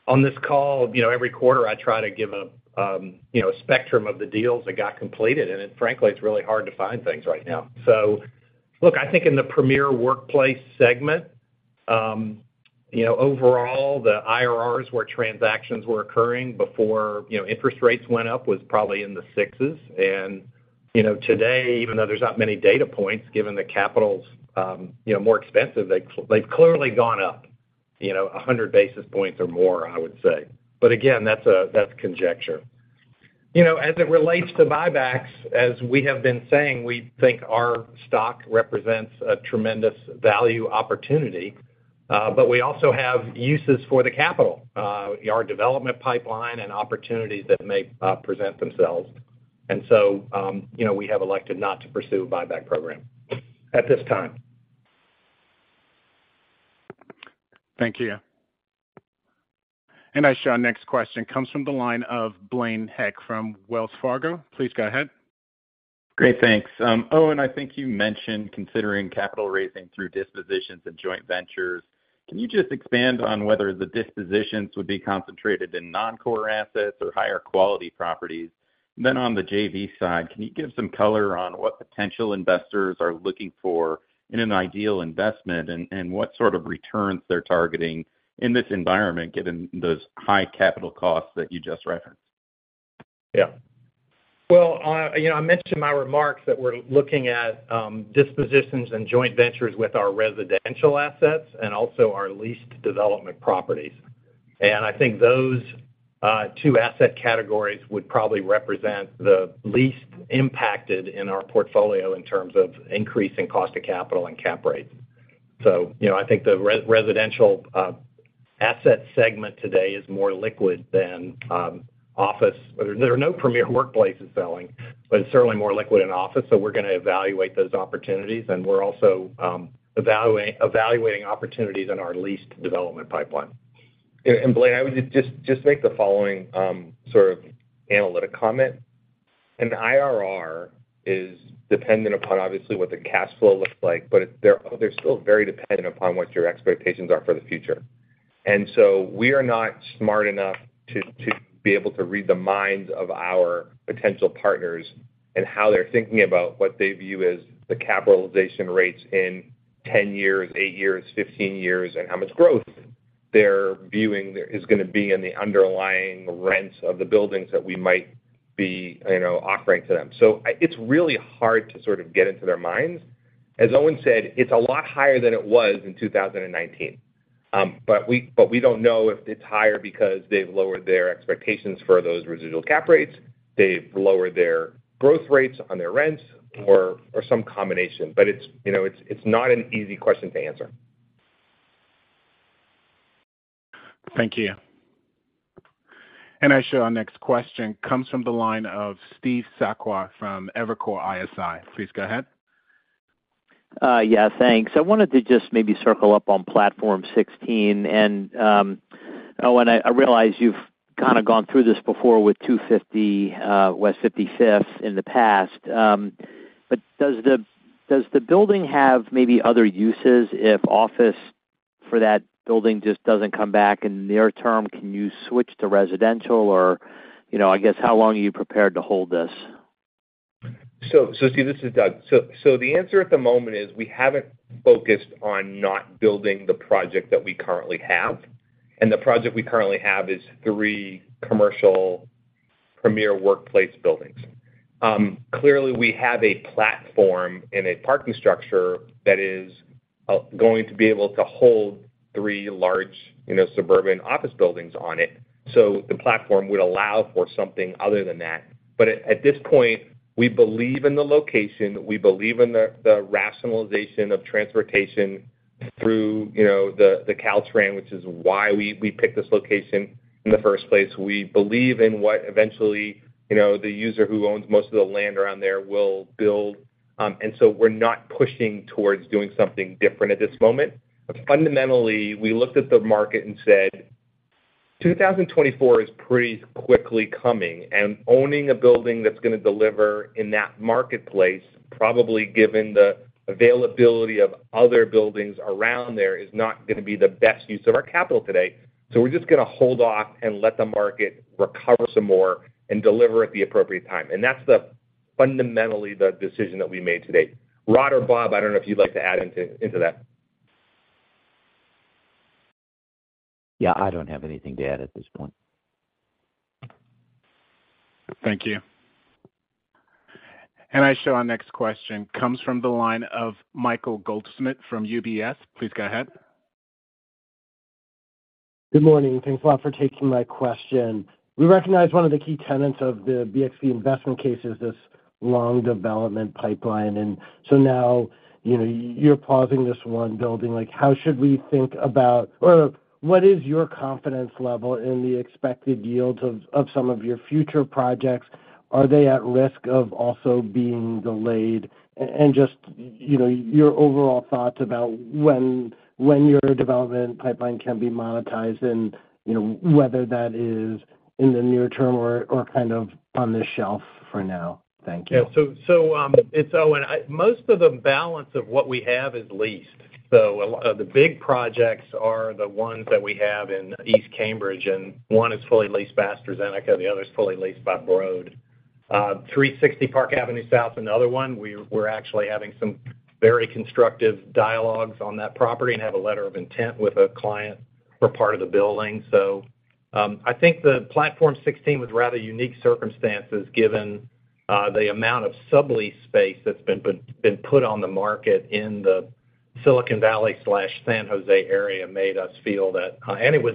on this call, you know, every quarter I try to give a, you know, a spectrum of the deals that got completed, and frankly, it's really hard to find things right now. Look, I think in the premier workplace segment, you know, overall, the IRRs where transactions were occurring before, you know, interest rates went up, was probably in the 6s. You know, today, even though there's not many data points, given the capital's, you know, more expensive, they've clearly gone up, you know, 100 basis points or more, I would say. Again, that's that's conjecture. You know, as it relates to buybacks, as we have been saying, we think our stock represents a tremendous value opportunity, but we also have uses for the capital, our development pipeline and opportunities that may present themselves. So, you know, we have elected not to pursue a buyback program at this time. Thank you. I show our next question comes from the line of Blaine Heck from Wells Fargo. Please go ahead. Great, thanks. Owen, I think you mentioned considering capital raising through dispositions and joint ventures. Can you just expand on whether the dispositions would be concentrated in non-core assets or higher quality properties? Then on the JV side, can you give some color on what potential investors are looking for in an ideal investment, and what sort of returns they're targeting in this environment, given those high capital costs that you just referenced? Yeah. Well, you know, I mentioned in my remarks that we're looking at dispositions and joint ventures with our residential assets and also our leased development properties. I think those two asset categories would probably represent the least impacted in our portfolio in terms of increasing cost of capital and cap rates. You know, I think the residential asset segment today is more liquid than office. There are no premier workplaces selling, but it's certainly more liquid in office, so we're going to evaluate those opportunities, and we're also evaluating opportunities in our leased development pipeline. Blaine, I would just, just make the following sort of analytic comment. An IRR is dependent upon, obviously, what the cash flow looks like, but they're, they're still very dependent upon what your expectations are for the future. So we are not smart enough to, to be able to read the minds of our potential partners and how they're thinking about what they view as the capitalization rates in 10 years, 8 years, 15 years, and how much growth they're viewing there is going to be in the underlying rents of the buildings that we might be, you know, offering to them. So it's really hard to sort of get into their minds. As Owen said, it's a lot higher than it was in 2019. We, but we don't know if it's higher because they've lowered their expectations for those residual cap rates, they've lowered their growth rates on their rents, or, or some combination. But it's, you know, it's, it's not an easy question to answer. Thank you. I show our next question comes from the line of Steve Sakwa from Evercore ISI. Please go ahead. Yeah, thanks. I wanted to just maybe circle up on Platform 16. Owen, I realize you've kind of gone through this before with 250 West 55th in the past. Does the building have maybe other uses if office for that building just doesn't come back in near term? Can you switch to residential or, you know, I guess, how long are you prepared to hold this? This is Doug. The answer at the moment is we haven't focused on not building the project that we currently have, and the project we currently have is three commercial premier workplace buildings. Clearly, we have a platform and a parking structure that is going to be able to hold three large, you know, suburban office buildings on it. The platform would allow for something other than that. At this point, we believe in the location, we believe in the rationalization of transportation through, you know, the Caltrain, which is why we picked this location in the first place. We believe in what eventually, you know, the user who owns most of the land around there will build, and so we're not pushing towards doing something different at this moment. Fundamentally, we looked at the market and said, "2024 is pretty quickly coming, and owning a building that's going to deliver in that marketplace, probably given the availability of other buildings around there, is not going to be the best use of our capital today. We're just going to hold off and let the market recover some more and deliver at the appropriate time." That's the, fundamentally, the decision that we made today. Rod or Bob, I don't know if you'd like to add into, into that. Yeah, I don't have anything to add at this point. Thank you. I show our next question comes from the line of Michael Goldsmith from UBS. Please go ahead. Good morning, and thanks a lot for taking my question. We recognize one of the key tenets of the BXP investment case is this long development pipeline, now, you know, you're pausing this one building. Like, how should we think about or what is your confidence level in the expected yields of some of your future projects? Are they at risk of also being delayed? Just, you know, your overall thoughts about when your development pipeline can be monetized and, you know, whether that is in the near term or kind of on the shelf for now. Thank you. Yeah. Most of the balance of what we have is leased. The big projects are the ones that we have in East Cambridge, and one is fully leased by AstraZeneca, the other is fully leased by Broad. 360 Park Avenue South, another one, we're actually having some very constructive dialogues on that property and have a letter of intent with a client for part of the building. I think the Platform 16 was rather unique circumstances, given the amount of sublease space that's been put on the market in the Silicon Valley/San Jose area, made us feel that. And it was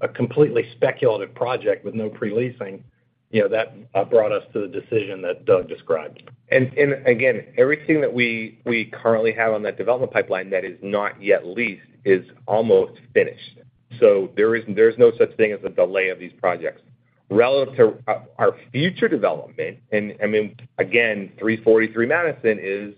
a completely speculative project with no pre-leasing. You know, that brought us to the decision that Doug described. Again, everything that we, we currently have on that development pipeline that is not yet leased is almost finished. There is, there's no such thing as a delay of these projects. Relative to our future development, and, I mean, again, 343 Madison is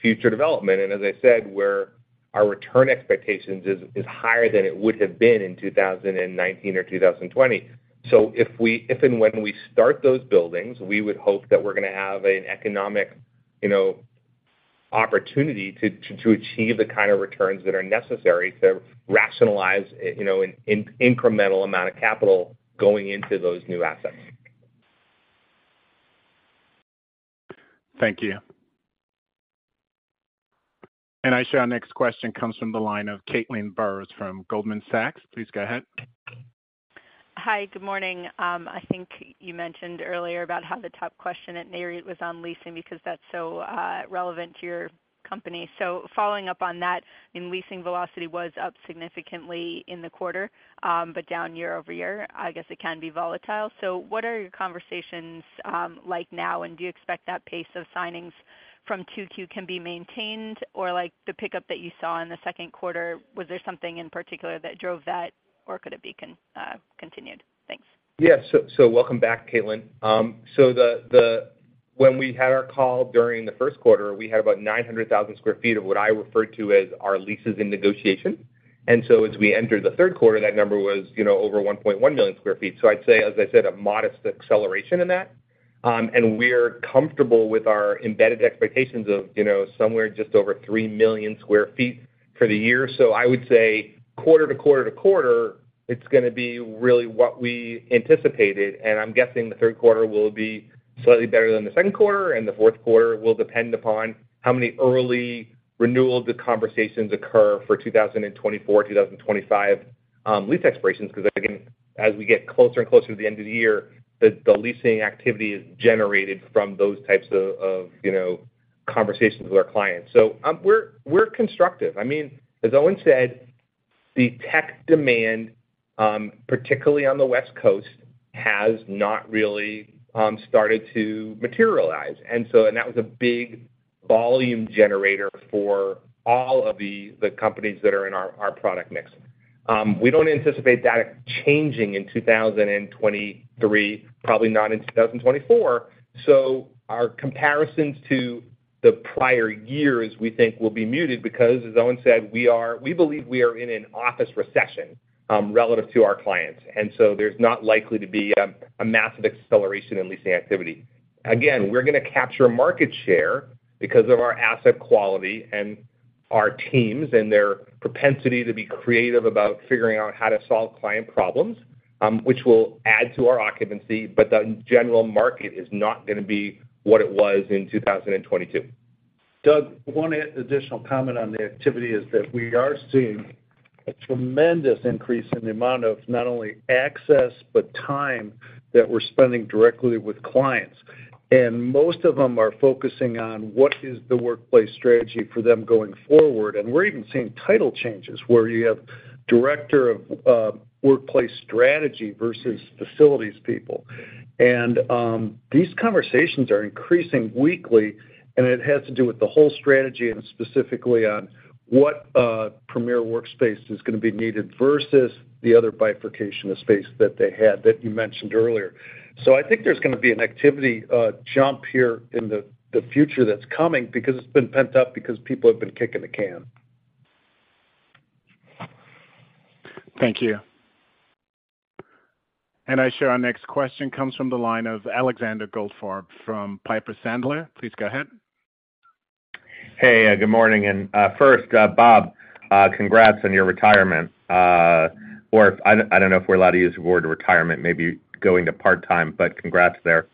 future development, and as I said, we're our return expectations is, is higher than it would have been in 2019 or 2020. If we if and when we start those buildings, we would hope that we're gonna have an economic, you know, opportunity to, to, to achieve the kind of returns that are necessary to rationalize, you know, an incremental amount of capital going into those new assets. Thank you. I show our next question comes from the line of Caitlin Burrows from Goldman Sachs. Please go ahead. Hi, good morning. I think you mentioned earlier about how the top question at Nareit was on leasing, because that's so relevant to your company. Following up on that, leasing velocity was up significantly in the quarter, but down year-over-year. I guess it can be volatile. What are your conversations, like now, and do you expect that pace of signings from 2Q can be maintained? The pickup that you saw in the second quarter, was there something in particular that drove that, or could it be continued? Thanks. Yeah, welcome back, Caitlin. When we had our call during the first quarter, we had about 900,000 square feet of what I refer to as our leases in negotiation. As we entered the third quarter, that number was, you know, over 1.1 million square feet. I'd say, as I said, a modest acceleration in that. We're comfortable with our embedded expectations of, you know, somewhere just over 3 million square feet for the year. I would say quarter to quarter to quarter, it's gonna be really what we anticipated, and I'm guessing the third quarter will be slightly better than the second quarter, and the fourth quarter will depend upon how many early renewal the conversations occur for 2024, 2025 lease expirations. Because again, as we get closer and closer to the end of the year, the, the leasing activity is generated from those types of, of, you know, conversations with our clients. We're, we're constructive. I mean, as Owen said, the tech demand, particularly on the West Coast, has not really, started to materialize. That was a big volume generator for all of the, the companies that are in our, our product mix. We don't anticipate that changing in 2023, probably not in 2024. Our comparisons to the prior years, we think, will be muted because, as Owen said, we believe we are in an office recession, relative to our clients. There's not likely to be, a massive acceleration in leasing activity. Again, we're gonna capture market share because of our asset quality, and. our teams and their propensity to be creative about figuring out how to solve client problems, which will add to our occupancy, but the general market is not going to be what it was in 2022. Doug, one additional comment on the activity is that we are seeing a tremendous increase in the amount of not only access, but time that we're spending directly with clients. Most of them are focusing on what is the workplace strategy for them going forward. We're even seeing title changes, where you have director of workplace strategy versus facilities people. These conversations are increasing weekly, and it has to do with the whole strategy and specifically on what premier workplace is going to be needed versus the other bifurcation of space that they had that you mentioned earlier. I think there's going to be an activity jump here in the, the future that's coming because it's been pent up because people have been kicking the can. Thank you. I show our next question comes from the line of Alexander Goldfarb from Piper Sandler. Please go ahead. Hey, good morning, first, Bob, congrats on your retirement. I don't know if we're allowed to use the word retirement, maybe going to part-time, congrats there.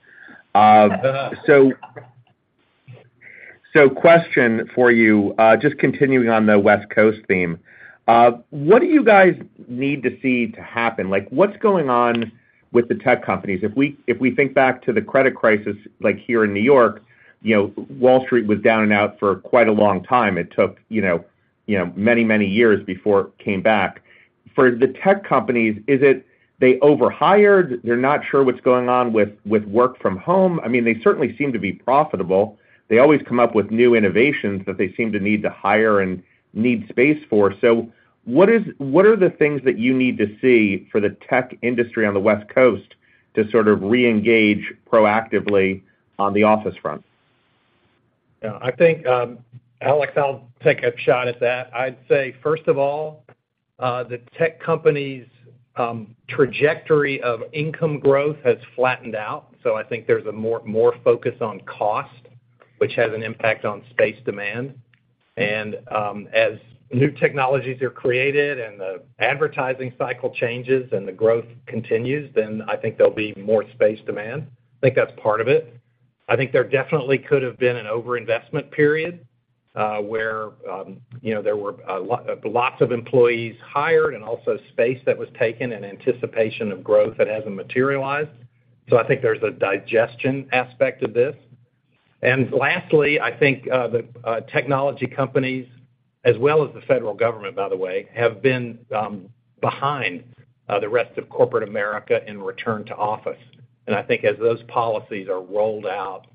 Question for you, just continuing on the West Coast theme. What do you guys need to see to happen? Like, what's going on with the tech companies? If we think back to the credit crisis, like here in New York, you know, Wall Street was down and out for quite a long time. It took, you know, you know, many, many years before it came back. For the tech companies, is it they overhired? They're not sure what's going on with work from home. I mean, they certainly seem to be profitable. They always come up with new innovations that they seem to need to hire and need space for. What are the things that you need to see for the tech industry on the West Coast to sort of reengage proactively on the office front? Yeah, I think, Alex, I'll take a shot at that. I'd say, first of all, the tech company's trajectory of income growth has flattened out. I think there's a more, more focus on cost, which has an impact on space demand. As new technologies are created and the advertising cycle changes and the growth continues, then I think there'll be more space demand. I think that's part of it. I think there definitely could have been an overinvestment period, where, you know, there were lots of employees hired and also space that was taken in anticipation of growth that hasn't materialized. I think there's a digestion aspect to this. Lastly, I think, the technology companies, as well as the federal government, by the way, have been behind the rest of corporate America in return to office. I think as those policies are rolled out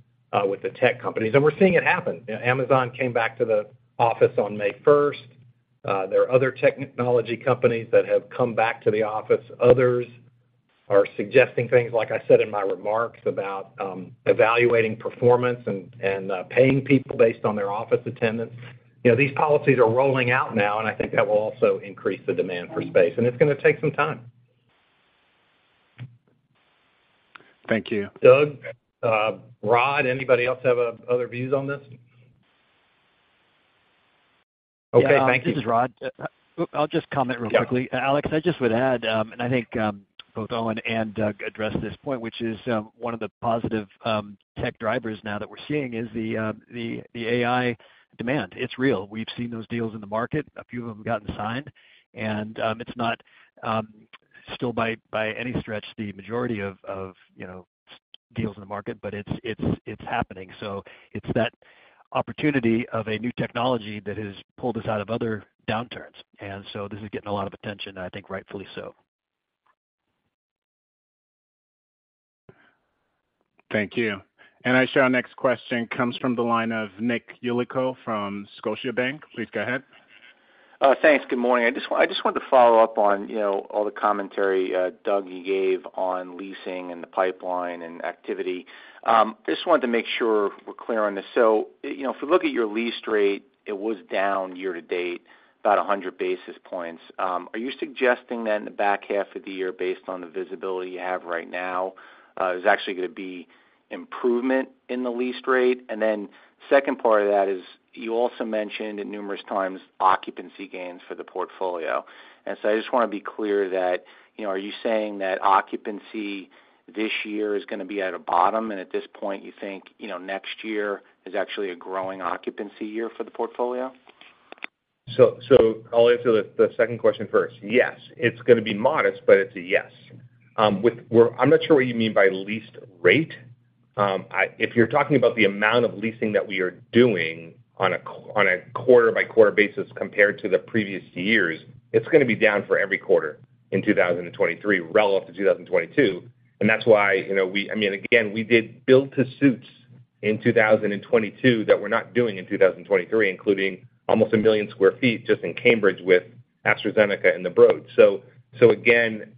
with the tech companies, and we're seeing it happen. Amazon came back to the office on May first. There are other technology companies that have come back to the office. Others are suggesting things, like I said in my remarks, about evaluating performance and, and paying people based on their office attendance. You know, these policies are rolling out now, I think that will also increase the demand for space, and it's going to take some time. Thank you. Doug, Rod, anybody else have other views on this? Okay, thank you. This is Rod. I'll just comment real quickly. Yeah. Alex, I just would add, and I think both Owen and Doug addressed this point, which is one of the positive tech drivers now that we're seeing is the AI demand. It's real. We've seen those deals in the market. A few of them gotten signed, and it's not still by any stretch the majority of, you know, deals in the market, but it's happening. It's that opportunity of a new technology that has pulled us out of other downturns. This is getting a lot of attention, and I think rightfully so. Thank you. I show our next question comes from the line of Nicholas Yulico from Scotiabank. Please go ahead. Thanks. Good morning. I just, I just wanted to follow up on, you know, all the commentary, Doug, you gave on leasing and the pipeline and activity. Just wanted to make sure we're clear on this. You know, if we look at your lease rate, it was down year-to-date, about 100 basis points. Are you suggesting then, in the back half of the year, based on the visibility you have right now, is actually going to be improvement in the lease rate? Second part of that is, you also mentioned in numerous times occupancy gains for the portfolio. I just want to be clear that, you know, are you saying that occupancy this year is going to be at a bottom, and at this point, you think, you know, next year is actually a growing occupancy year for the portfolio? I'll answer the second question first. Yes, it's going to be modest, but it's a yes. I'm not sure what you mean by leased rate. If you're talking about the amount of leasing that we are doing on a quarter-by-quarter basis compared to the previous years, it's going to be down for every quarter in 2023 relative to 2022. That's why, you know, I mean, again, we did build to suits in 2022 that we're not doing in 2023, including almost 1 million sq ft just in Cambridge with AstraZeneca and the Broad. Again,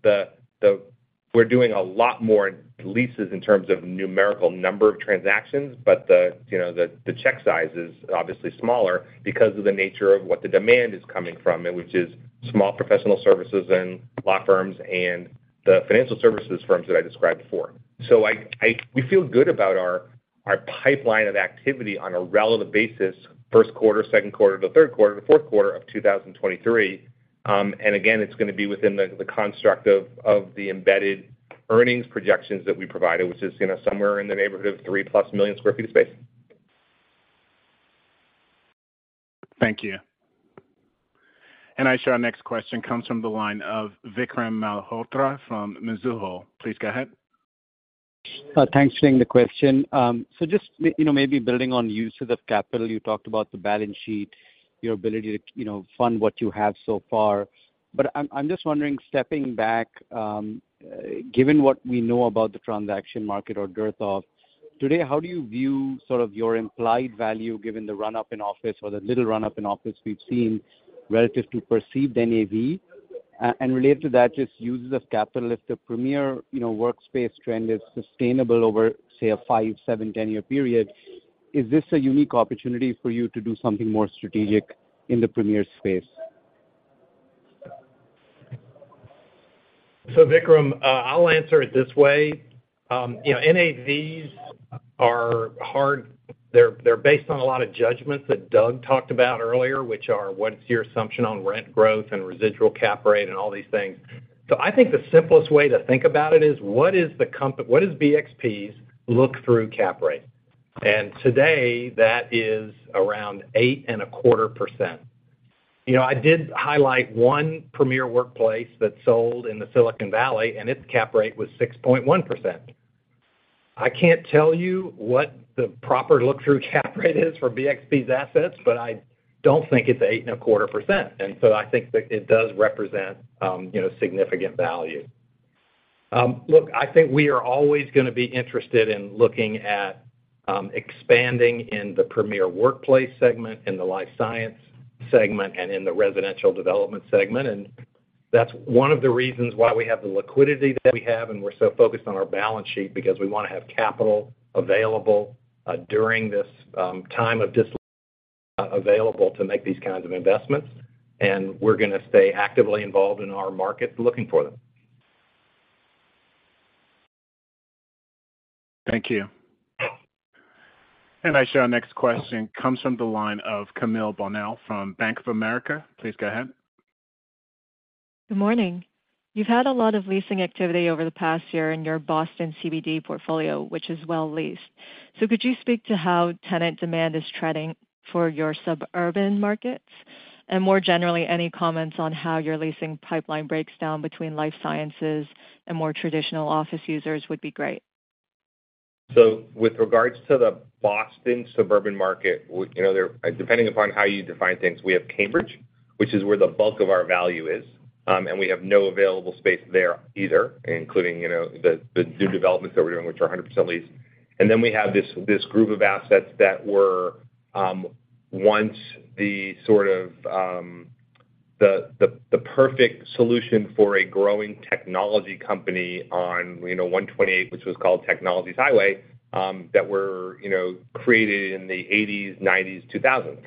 we're doing a lot more leases in terms of numerical number of transactions, but the, you know, the, the check size is obviously smaller because of the nature of what the demand is coming from, and which is small professional services and law firms and the financial services firms that I described before. We feel good about our, our pipeline of activity on a relative basis, first quarter, second quarter, the third quarter, the fourth quarter of 2023. And again, it's gonna be within the construct of the embedded earnings projections that we provided, which is, you know, somewhere in the neighborhood of 3+ million sq ft of space. Thank you. I show our next question comes from the line of Vikram Malhotra from Mizuho. Please go ahead. Thanks for taking the question. Just, you know, maybe building on use of the capital, you talked about the balance sheet, your ability to, you know, fund what you have so far. I'm just wondering, stepping back, given what we know about the transaction market or dearth of, today, how do you view sort of your implied value, given the run-up in office or the little run-up in office we've seen relative to perceived NAV? Related to that, just uses of capital. If the premier, you know, workspace trend is sustainable over, say, a five, seven, ten-year period, is this a unique opportunity for you to do something more strategic in the premier space? Vikram, you know, NAVs are hard. They're, they're based on a lot of judgments that Doug talked about earlier, which are, what's your assumption on rent growth and residual cap rate and all these things? I think the simplest way to think about it is, what is BXP's look-through cap rate? Today, that is around 8.25%. You know, I did highlight one premier workplace that sold in the Silicon Valley, and its cap rate was 6.1%. I can't tell you what the proper look-through cap rate is for BXP's assets, but I don't think it's 8.25%, and so I think that it does represent, you know, significant value. Look, I think we are always gonna be interested in looking at, expanding in the premier workplace segment, in the life science segment, and in the residential development segment. That's one of the reasons why we have the liquidity that we have, and we're so focused on our balance sheet because we wanna have capital available during this time of discipline, available to make these kinds of investments, and we're gonna stay actively involved in our market, looking for them. Thank you. I show our next question comes from the line of Camille Bonnel from Bank of America. Please go ahead. Good morning. You've had a lot of leasing activity over the past year in your Boston CBD portfolio, which is well leased. Could you speak to how tenant demand is trending for your suburban markets? More generally, any comments on how your leasing pipeline breaks down between life sciences and more traditional office users would be great. With regards to the Boston suburban market, you know, they're depending upon how you define things, we have Cambridge, which is where the bulk of our value is, we have no available space there either, including, you know, the new developments that we're doing, which are 100% leased. We have this, this group of assets that were once the sort of perfect solution for a growing technology company on, you know, 128, which was called Technologies Highway, that were, you know, created in the '80s, '90s,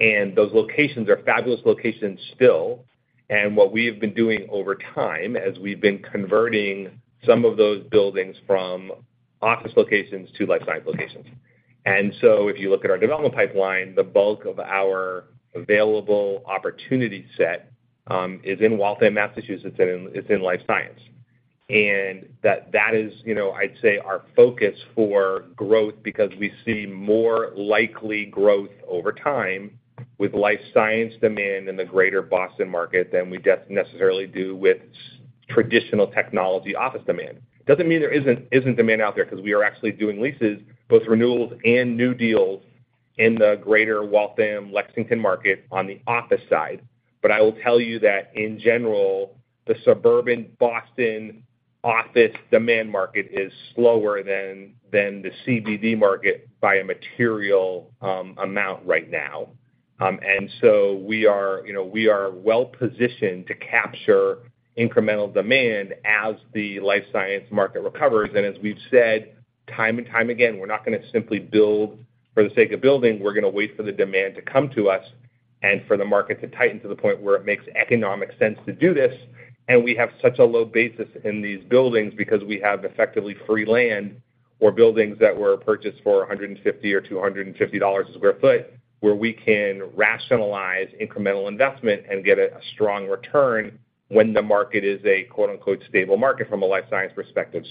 2000s. Those locations are fabulous locations still. What we have been doing over time, as we've been converting some of those buildings from office locations to life science locations. If you look at our development pipeline, the bulk of our available opportunity set is in Waltham, Massachusetts, and it's in life science. That, that is, you know, I'd say our focus for growth because we see more likely growth over time with life science demand in the greater Boston market than we necessarily do with traditional technology office demand. Doesn't mean there isn't, isn't demand out there, because we are actually doing leases, both renewals and new deals, in the greater Waltham, Lexington market on the office side. I will tell you that in general, the suburban Boston office demand market is slower than, than the CBD market by a material amount right now. We are, you know, we are well positioned to capture incremental demand as the life science market recovers. As we've said time and time again, we're not gonna simply build for the sake of building. We're gonna wait for the demand to come to us and for the market to tighten to the point where it makes economic sense to do this. We have such a low basis in these buildings because we have effectively free land or buildings that were purchased for $150 or $250 a square foot, where we can rationalize incremental investment and get a strong return when the market is a, quote, unquote, "stable market" from a life science perspective.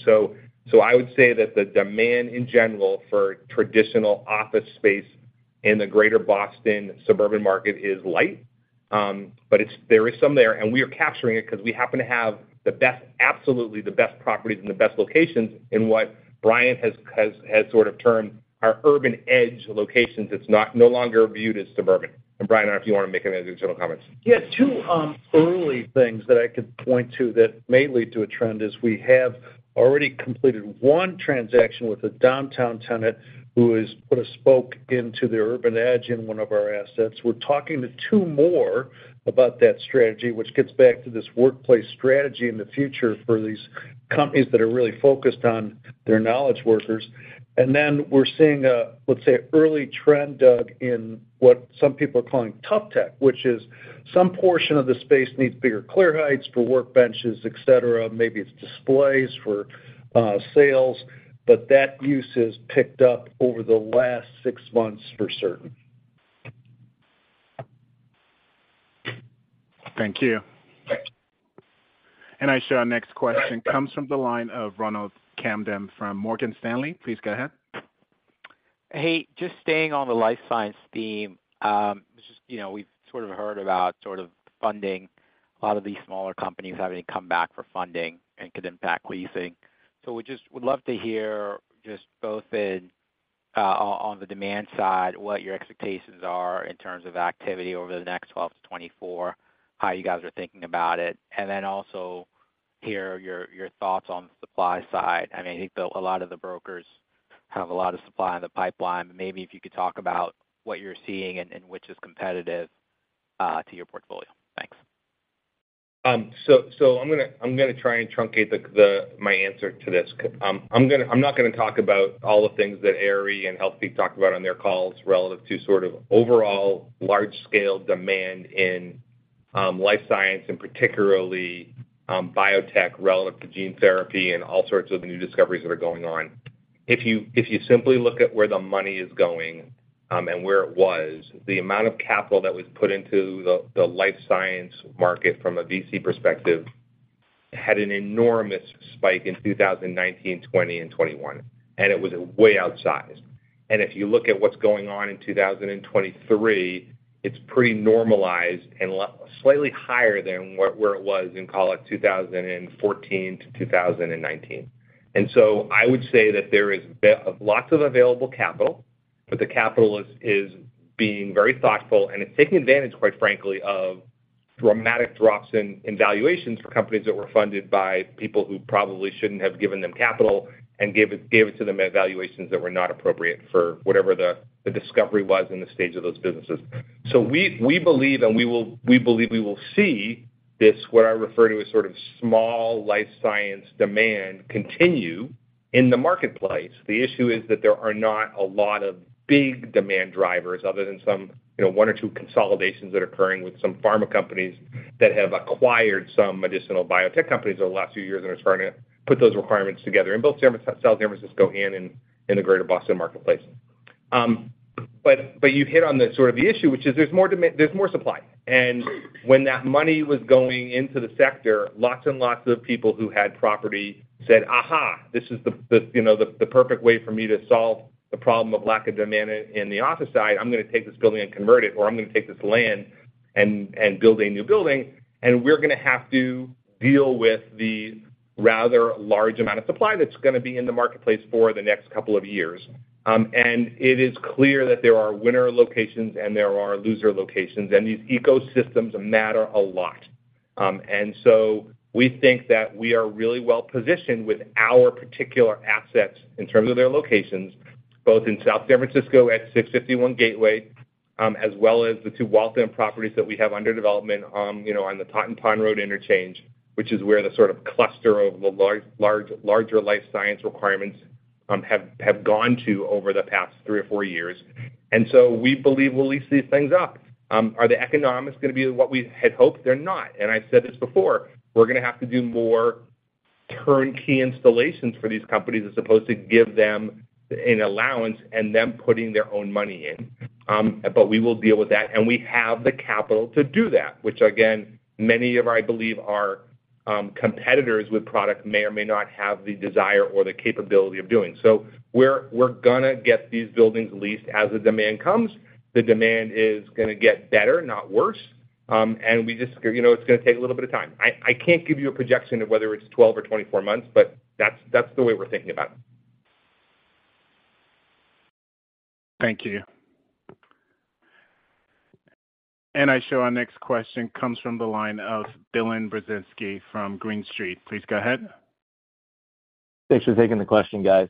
I would say that the demand in general for traditional office space in the greater Boston suburban market is light, but it's there is some there, and we are capturing it because we happen to have the best, absolutely the best properties and the best locations in what Bryan has, has, has sort of termed our urban edge locations. It's not no longer viewed as suburban. Bryan, I don't know if you want to make any additional comments. Yes, 2 early things that I could point to that may lead to a trend is, we have already completed 1 transaction with a downtown tenant who has put a spoke into their urban edge in 1 of our assets. We're talking to 2 more about that strategy, which gets back to this workplace strategy in the future for these companies that are really focused on their knowledge workers. Then we're seeing a, let's say, early trend, Doug, in what some people are calling tough tech, which is some portion of the space needs bigger clear heights for workbenches, et cetera. Maybe it's displays for sales, but that use has picked up over the last 6 months, for certain. Thank you. I show our next question comes from the line of Ronald Kamdem from Morgan Stanley. Please go ahead. Hey, just staying on the life science theme. Just, you know, we've sort of heard about sort of funding, a lot of these smaller companies having to come back for funding and could impact what you think. We just would love to hear just both in, on, on the demand side, what your expectations are in terms of activity over the next 12 to 24, how you guys are thinking about it, and then also hear your, your thoughts on the supply side. I mean, I think a lot of the brokers have a lot of supply in the pipeline. Maybe if you could talk about what you're seeing and, and which is competitive to your portfolio. Thanks. So I'm gonna, I'm gonna try and truncate the my answer to this. I'm not gonna talk about all the things that ARE and Healthpeak talked about on their calls relative to sort of overall large scale demand in life science, and particularly biotech relative to gene therapy and all sorts of new discoveries that are going on. If you, if you simply look at where the money is going, and where it was, the amount of capital that was put into the, the life science market from a VC perspective, had an enormous spike in 2019, 2020, and 2021, and it was way outsized. If you look at what's going on in 2023, it's pretty normalized and slightly higher than what, where it was in, call it 2014-2019. So I would say that there is lots of available capital, but the capital is, is being very thoughtful, and it's taking advantage, quite frankly, of dramatic drops in, in valuations for companies that were funded by people who probably shouldn't have given them capital, and gave it, gave it to them at valuations that were not appropriate for whatever the, the discovery was in the stage of those businesses. So we, we believe, and we believe we will see this, what I refer to as sort of small life science demand, continue in the marketplace. The issue is that there are not a lot of big demand drivers other than some, you know, 1 or 2 consolidations that are occurring with some pharma companies that have acquired some medicinal biotech companies over the last few years and are starting to put those requirements together in both South San Francisco and in the greater Boston marketplace. But you hit on the sort of the issue, which is there's more supply. When that money was going into the sector, lots and lots of people who had property said, "Aha, this is the, the, you know, the, the perfect way for me to solve the problem of lack of demand in, in the office side. I'm gonna take this building and convert it, or I'm gonna take this land and build a new building. We're gonna have to deal with the rather large amount of supply that's gonna be in the marketplace for the next couple of years. It is clear that there are winner locations and there are loser locations, and these ecosystems matter a lot. So we think that we are really well positioned with our particular assets in terms of their locations, both in South San Francisco at 651 Gateway, as well as the two Waltham properties that we have under development, you know, on the Totten Pond Road interchange, which is where the sort of cluster of the large, large, larger life science requirements have gone to over the past three or four years. We believe we'll lease these things up. Are the economics gonna be what we had hoped? They're not, and I've said this before, we're gonna have to do more turnkey installations for these companies, as opposed to give them an allowance and them putting their own money in. We will deal with that, and we have the capital to do that, which again, many of, I believe, our competitors with product may or may not have the desire or the capability of doing. We're, we're gonna get these buildings leased as the demand comes. The demand is gonna get better, not worse. We just, you know, it's gonna take a little bit of time. I, I can't give you a projection of whether it's 12 or 24 months, but that's, that's the way we're thinking about it. Thank you. I show our next question comes from the line of Dylan Burzinski from Green Street. Please go ahead. Thanks for taking the question, guys.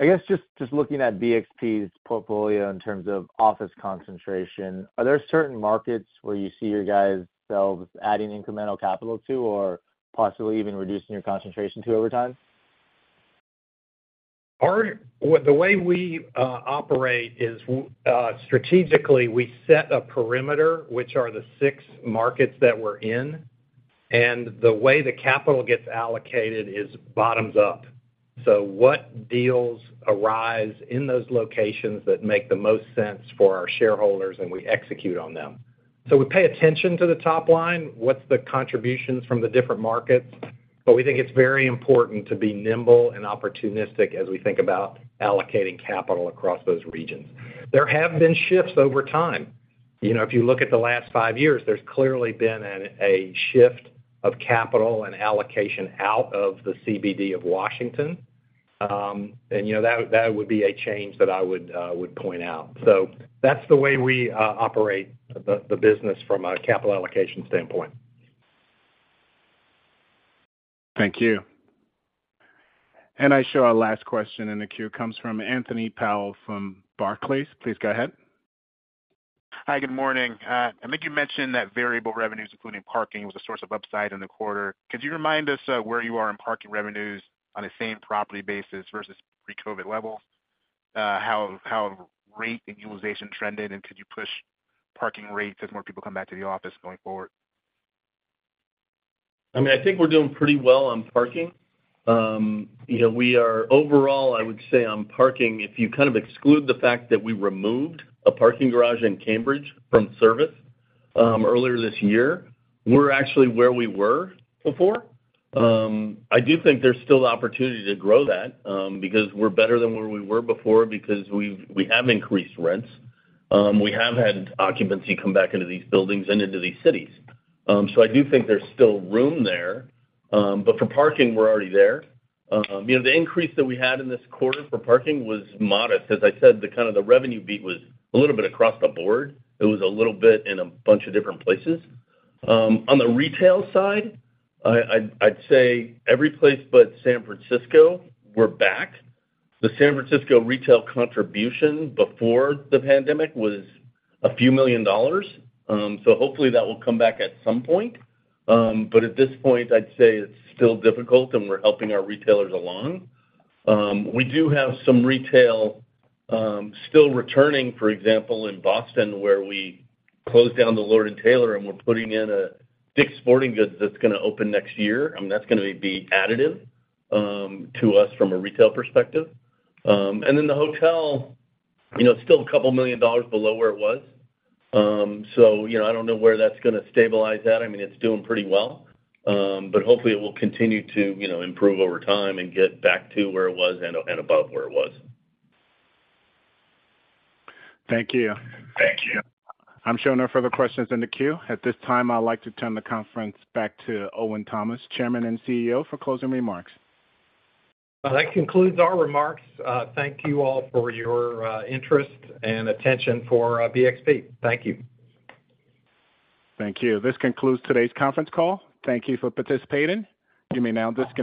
I guess just looking at BXP's portfolio in terms of office concentration, are there certain markets where you see your guys selves adding incremental capital to or possibly even reducing your concentration to over time? Well, the way we operate is, strategically, we set a perimeter, which are the six markets that we're in, and the way the capital gets allocated is bottoms up. What deals arise in those locations that make the most sense for our shareholders, and we execute on them. We pay attention to the top line, what's the contributions from the different markets, but we think it's very important to be nimble and opportunistic as we think about allocating capital across those regions. There have been shifts over time. You know, if you look at the last five years, there's clearly been a shift of capital and allocation out of the CBD of Washington. You know, that, that would be a change that I would point out. That's the way we operate the, the business from a capital allocation standpoint. Thank you. I show our last question in the queue comes from Anthony Powell from Barclays. Please go ahead. Hi, good morning. I think you mentioned that variable revenues, including parking, was a source of upside in the quarter. Could you remind us, where you are in parking revenues on a Same Property basis versus pre-COVID levels, how rate and utilization trended, and could you push parking rates as more people come back to the office going forward? I mean, I think we're doing pretty well on parking. You know, we are overall, I would say, on parking, if you kind of exclude the fact that we removed a parking garage in Cambridge from service earlier this year, we're actually where we were before. I do think there's still opportunity to grow that because we're better than where we were before, because we've-- we have increased rents. We have had occupancy come back into these buildings and into these cities. I do think there's still room there, but for parking, we're already there. You know, the increase that we had in this quarter for parking was modest. As I said, the kind of the revenue beat was a little bit across the board. It was a little bit in a bunch of different places. On the retail side, I, I'd, I'd say every place but San Francisco, we're back. The San Francisco retail contribution before the pandemic was a few million dollars. Hopefully, that will come back at some point. At this point, I'd say it's still difficult, and we're helping our retailers along. We do have some retail still returning, for example, in Boston, where we closed down the Lord & Taylor, and we're putting in a Dick's Sporting Goods that's gonna open next year. I mean, that's gonna be additive to us from a retail perspective. The hotel, you know, still a couple million dollars below where it was. You know, I don't know where that's gonna stabilize at. I mean, it's doing pretty well, hopefully, it will continue to, you know, improve over time and get back to where it was and, and above where it was. Thank you. Thank you. I'm showing no further questions in the queue. At this time, I'd like to turn the conference back to Owen Thomas, Chairman and CEO, for closing remarks. Well, that concludes our remarks. Thank you all for your interest and attention for BXP. Thank you. Thank you. This concludes today's conference call. Thank you for participating. You may now disconnect.